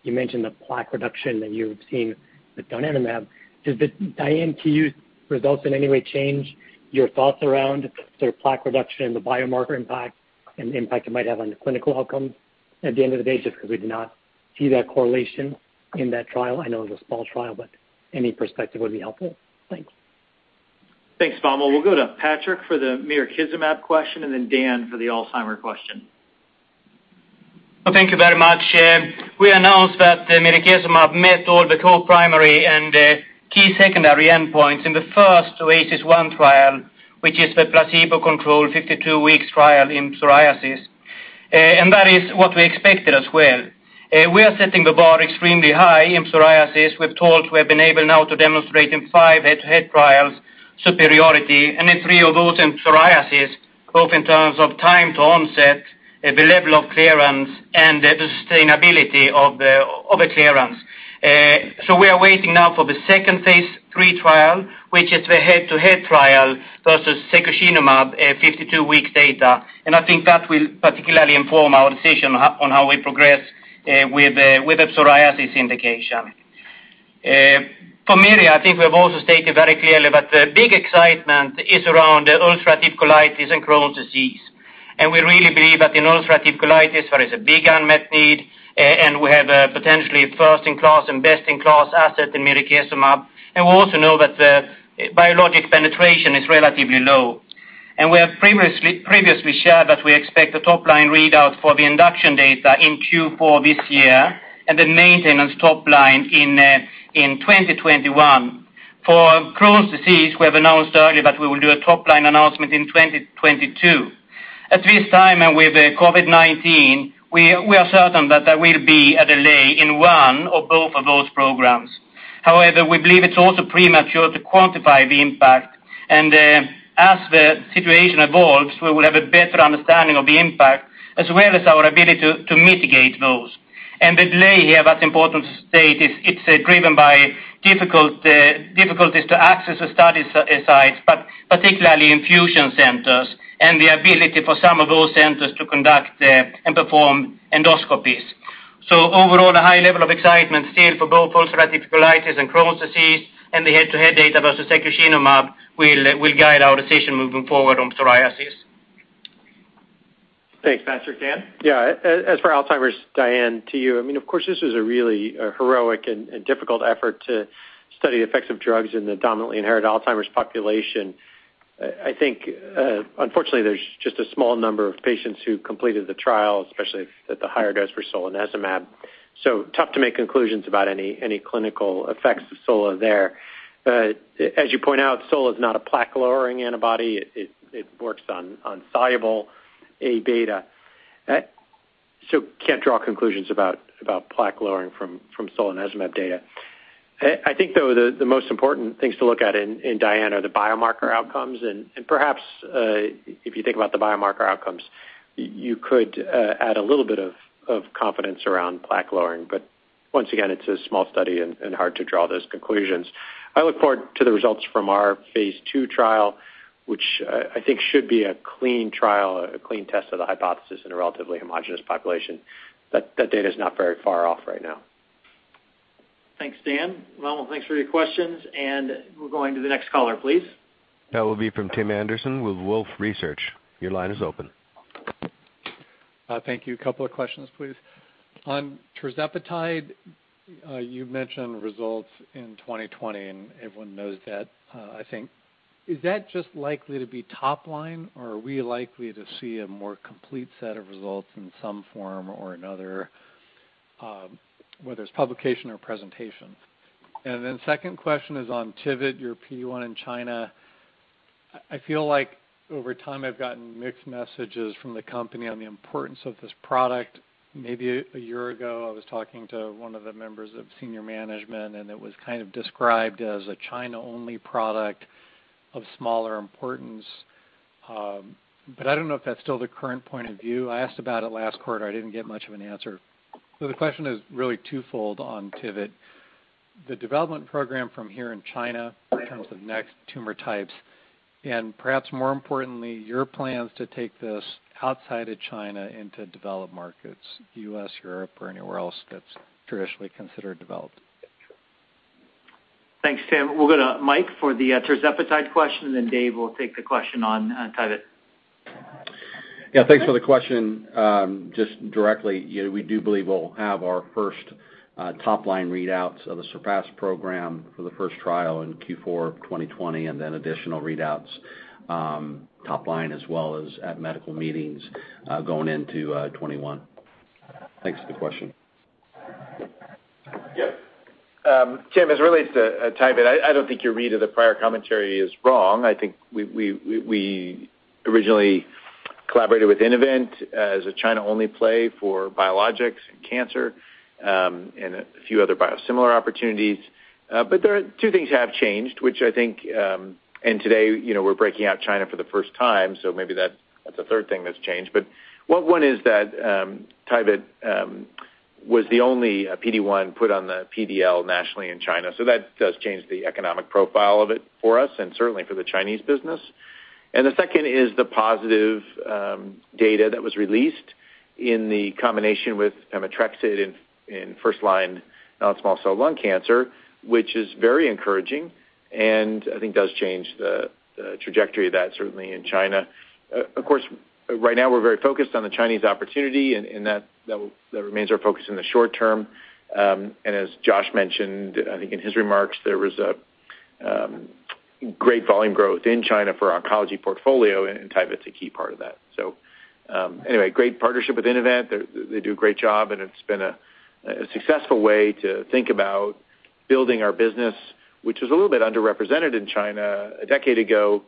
You mentioned the plaque reduction that you've seen with donanemab. Does the DIAN-TU results in any way change your thoughts around sort of plaque reduction and the biomarker impact and the impact it might have on the clinical outcome at the end of the day just because we did not see that correlation in that trial? I know it was a small trial, but any perspective would be helpful. Thanks. Thanks, Vamil. We'll go to Patrik for the mirikizumab question and then Dan for the Alzheimer question. Well, thank you very much. We announced that the mirikizumab met all the core primary and key secondary endpoints in the first OASIS 1 trial, which is the placebo control 52-week trial in psoriasis. That is what we expected as well. We are setting the bar extremely high in psoriasis. We've been able now to demonstrate in five head-to-head trials superiority and in three of those in psoriasis, both in terms of time to onset, the level of clearance, and the sustainability of the clearance. We are waiting now for the second phase III trial, which is the head-to-head trial versus secukinumab 52-week data, and I think that will particularly inform our decision on how we progress with the psoriasis indication. For miri, I think we have also stated very clearly that the big excitement is around the ulcerative colitis and Crohn's disease. We really believe that in ulcerative colitis there is a big unmet need, we have a potentially first-in-class and best-in-class asset in mirikizumab, we also know that the biologic penetration is relatively low. We have previously shared that we expect the top-line readout for the induction data in Q4 this year and the maintenance top line in 2021. For Crohn's disease, we have announced earlier that we will do a top-line announcement in 2022. At this time, with COVID-19, we are certain that there will be a delay in one or both of those programs. We believe it's also premature to quantify the impact. As the situation evolves, we will have a better understanding of the impact, as well as our ability to mitigate those. The delay here that's important to state is it's driven by difficulties to access the study sites, but particularly infusion centers, and the ability for some of those centers to conduct and perform endoscopies. Overall, a high level of excitement still for both ulcerative colitis and Crohn's disease, and the head-to-head data versus secukinumab will guide our decision moving forward on psoriasis. Thanks, Patrik. Dan? As for Alzheimer's, DIAN-TU. Of course, this was a really heroic and difficult effort to study the effects of drugs in the dominantly inherited Alzheimer's population. I think unfortunately, there's just a small number of patients who completed the trial, especially at the higher dose for solanezumab. Tough to make conclusions about any clinical effects of sola there. As you point out, sola is not a plaque-lowering antibody. It works on soluble A-beta. Can't draw conclusions about plaque lowering from solanezumab data. I think, though, the most important things to look at in DIAN are the biomarker outcomes. Perhaps, if you think about the biomarker outcomes, you could add a little bit of confidence around plaque lowering. Once again, it's a small study and hard to draw those conclusions. I look forward to the results from our phase II trial, which I think should be a clean trial, a clean test of the hypothesis in a relatively homogenous population. That data's not very far off right now. Thanks, Dan. Well, thanks for your questions, and we're going to the next caller, please. That will be from Tim Anderson with Wolfe Research. Your line is open. Thank you. A couple of questions, please. On tirzepatide, you mentioned results in 2020. Everyone knows that, I think. Is that just likely to be top line, or are we likely to see a more complete set of results in some form or another, whether it's publication or presentation? Second question is on TYVYT, your PD-1 in China. I feel like over time, I've gotten mixed messages from the company on the importance of this product. Maybe a year ago, I was talking to one of the members of senior management. It was kind of described as a China-only product of smaller importance. I don't know if that's still the current point of view. I asked about it last quarter. I didn't get much of an answer. The question is really twofold on TYVYT. The development program from here in China in terms of next tumor types, and perhaps more importantly, your plans to take this outside of China into developed markets, U.S., Europe, or anywhere else that's traditionally considered developed. Thanks, Tim. We'll go to Mike for the tirzepatide question, and then Dave will take the question on TYVYT. Yeah, thanks for the question. Just directly, we do believe we'll have our first top-line readouts of the SURPASS program for the first trial in Q4 of 2020, and then additional readouts, top line, as well as at medical meetings, going into 2021. Thanks for the question. Yep. Tim, as it relates to TYVYT, I don't think your read of the prior commentary is wrong. I think we originally collaborated with Innovent as a China-only play for biologics and cancer, and a few other biosimilar opportunities. Two things have changed, and today, we're breaking out China for the first time, so maybe that's a third thing that's changed. One is that TYVYT was the only PD-1 put on the NRDL nationally in China. That does change the economic profile of it for us and certainly for the Chinese business. The second is the positive data that was released in the combination with pemetrexed in first-line non-small cell lung cancer, which is very encouraging and I think does change the trajectory of that, certainly in China. Of course, right now we're very focused on the Chinese opportunity, and that remains our focus in the short term. As Josh mentioned, I think in his remarks, there was a great volume growth in China for our oncology portfolio, and TYVYT's a key part of that. Anyway, great partnership with Innovent. They do a great job, and it's been a successful way to think about building our business, which was a little bit underrepresented in China a decade ago,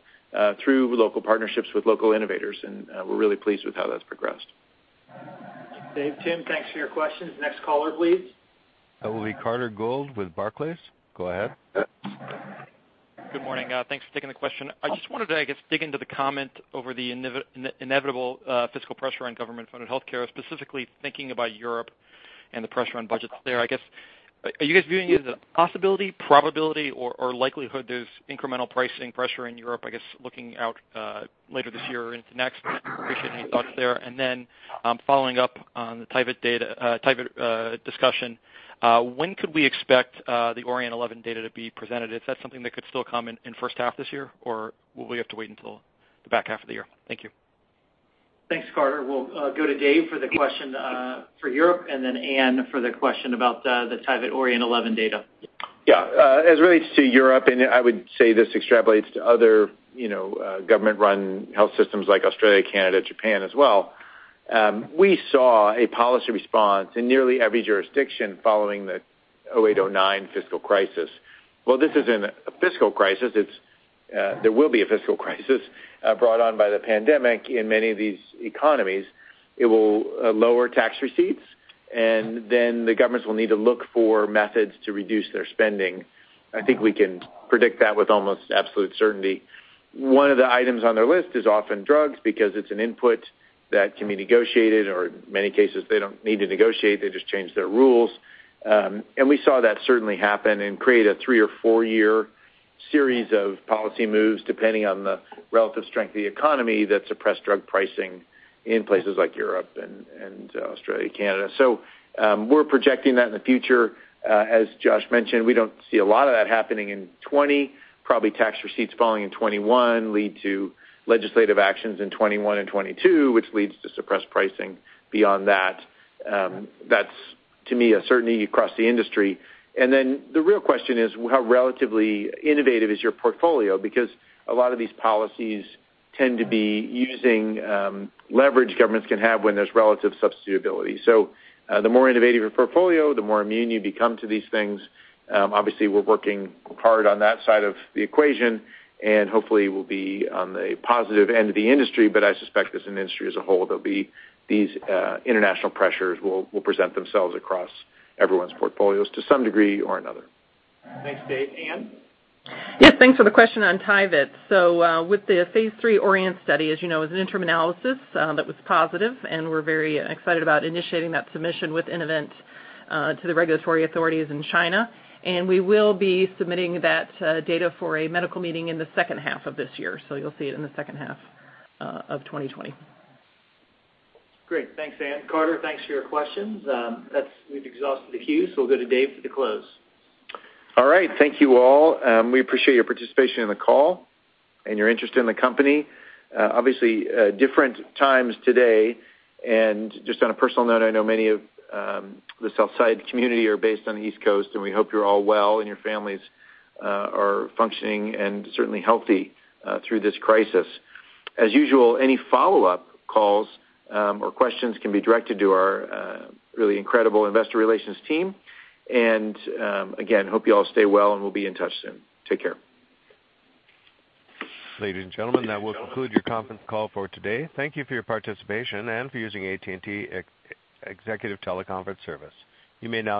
through local partnerships with local innovators, and we're really pleased with how that's progressed. Dave, Tim, thanks for your questions. Next caller, please. That will be Carter Gould with Barclays. Go ahead. Good morning. Thanks for taking the question. I just wanted to, I guess, dig into the comment over the inevitable fiscal pressure on government-funded healthcare, specifically thinking about Europe and the pressure on budgets there. I guess, are you guys viewing it as a possibility, probability, or likelihood there's incremental pricing pressure in Europe, I guess, looking out later this year or into next? I'd appreciate any thoughts there. Then following up on the TYVYT discussion, when could we expect the ORIENT-11 data to be presented? Is that something that could still come in the first half this year, or will we have to wait until the back half of the year? Thank you. Thanks, Carter. We'll go to Dave for the question for Europe and then Anne for the question about the TYVYT ORIENT-11 data. Yeah. As it relates to Europe, and I would say this extrapolates to other government-run health systems like Australia, Canada, Japan as well. We saw a policy response in nearly every jurisdiction following the 2008, 2009 fiscal crisis. This isn't a fiscal crisis, there will be a fiscal crisis brought on by the pandemic in many of these economies. It will lower tax receipts. The governments will need to look for methods to reduce their spending. I think we can predict that with almost absolute certainty. One of the items on their list is often drugs, because it's an input that can be negotiated or in many cases, they don't need to negotiate, they just change their rules. We saw that certainly happen and create a three or four-year series of policy moves, depending on the relative strength of the economy that suppressed drug pricing in places like Europe, Australia, Canada. We're projecting that in the future. As Josh mentioned, we don't see a lot of that happening in 2020. Probably tax receipts falling in 2021 lead to legislative actions in 2021 and 2022, which leads to suppressed pricing beyond that. That's, to me, a certainty across the industry. The real question is, how relatively innovative is your portfolio? A lot of these policies tend to be using leverage governments can have when there's relative substitutability. The more innovative your portfolio, the more immune you become to these things. Obviously, we're working hard on that side of the equation, and hopefully, we'll be on the positive end of the industry. I suspect as an industry as a whole, these international pressures will present themselves across everyone's portfolios to some degree or another. Thanks, Dave. Anne? Yes, thanks for the question on TYVYT. With the phase III ORIENT study, as you know, it was an interim analysis that was positive. We're very excited about initiating that submission with Innovent, to the regulatory authorities in China. We will be submitting that data for a medical meeting in the second half of this year. You'll see it in the second half of 2020. Great. Thanks, Anne. Carter, thanks for your questions. We've exhausted the queue. We'll go to Dave for the close. All right. Thank you all. We appreciate your participation in the call and your interest in the company. Obviously, different times today, and just on a personal note, I know many of the sell-side community are based on the East Coast, and we hope you're all well and your families are functioning and certainly healthy through this crisis. As usual, any follow-up calls or questions can be directed to our really incredible Investor Relations team. Again, hope you all stay well and we'll be in touch soon. Take care. Ladies and gentlemen, that will conclude your conference call for today. Thank you for your participation and for using AT&T Executive Teleconference Service. You may now disconnect.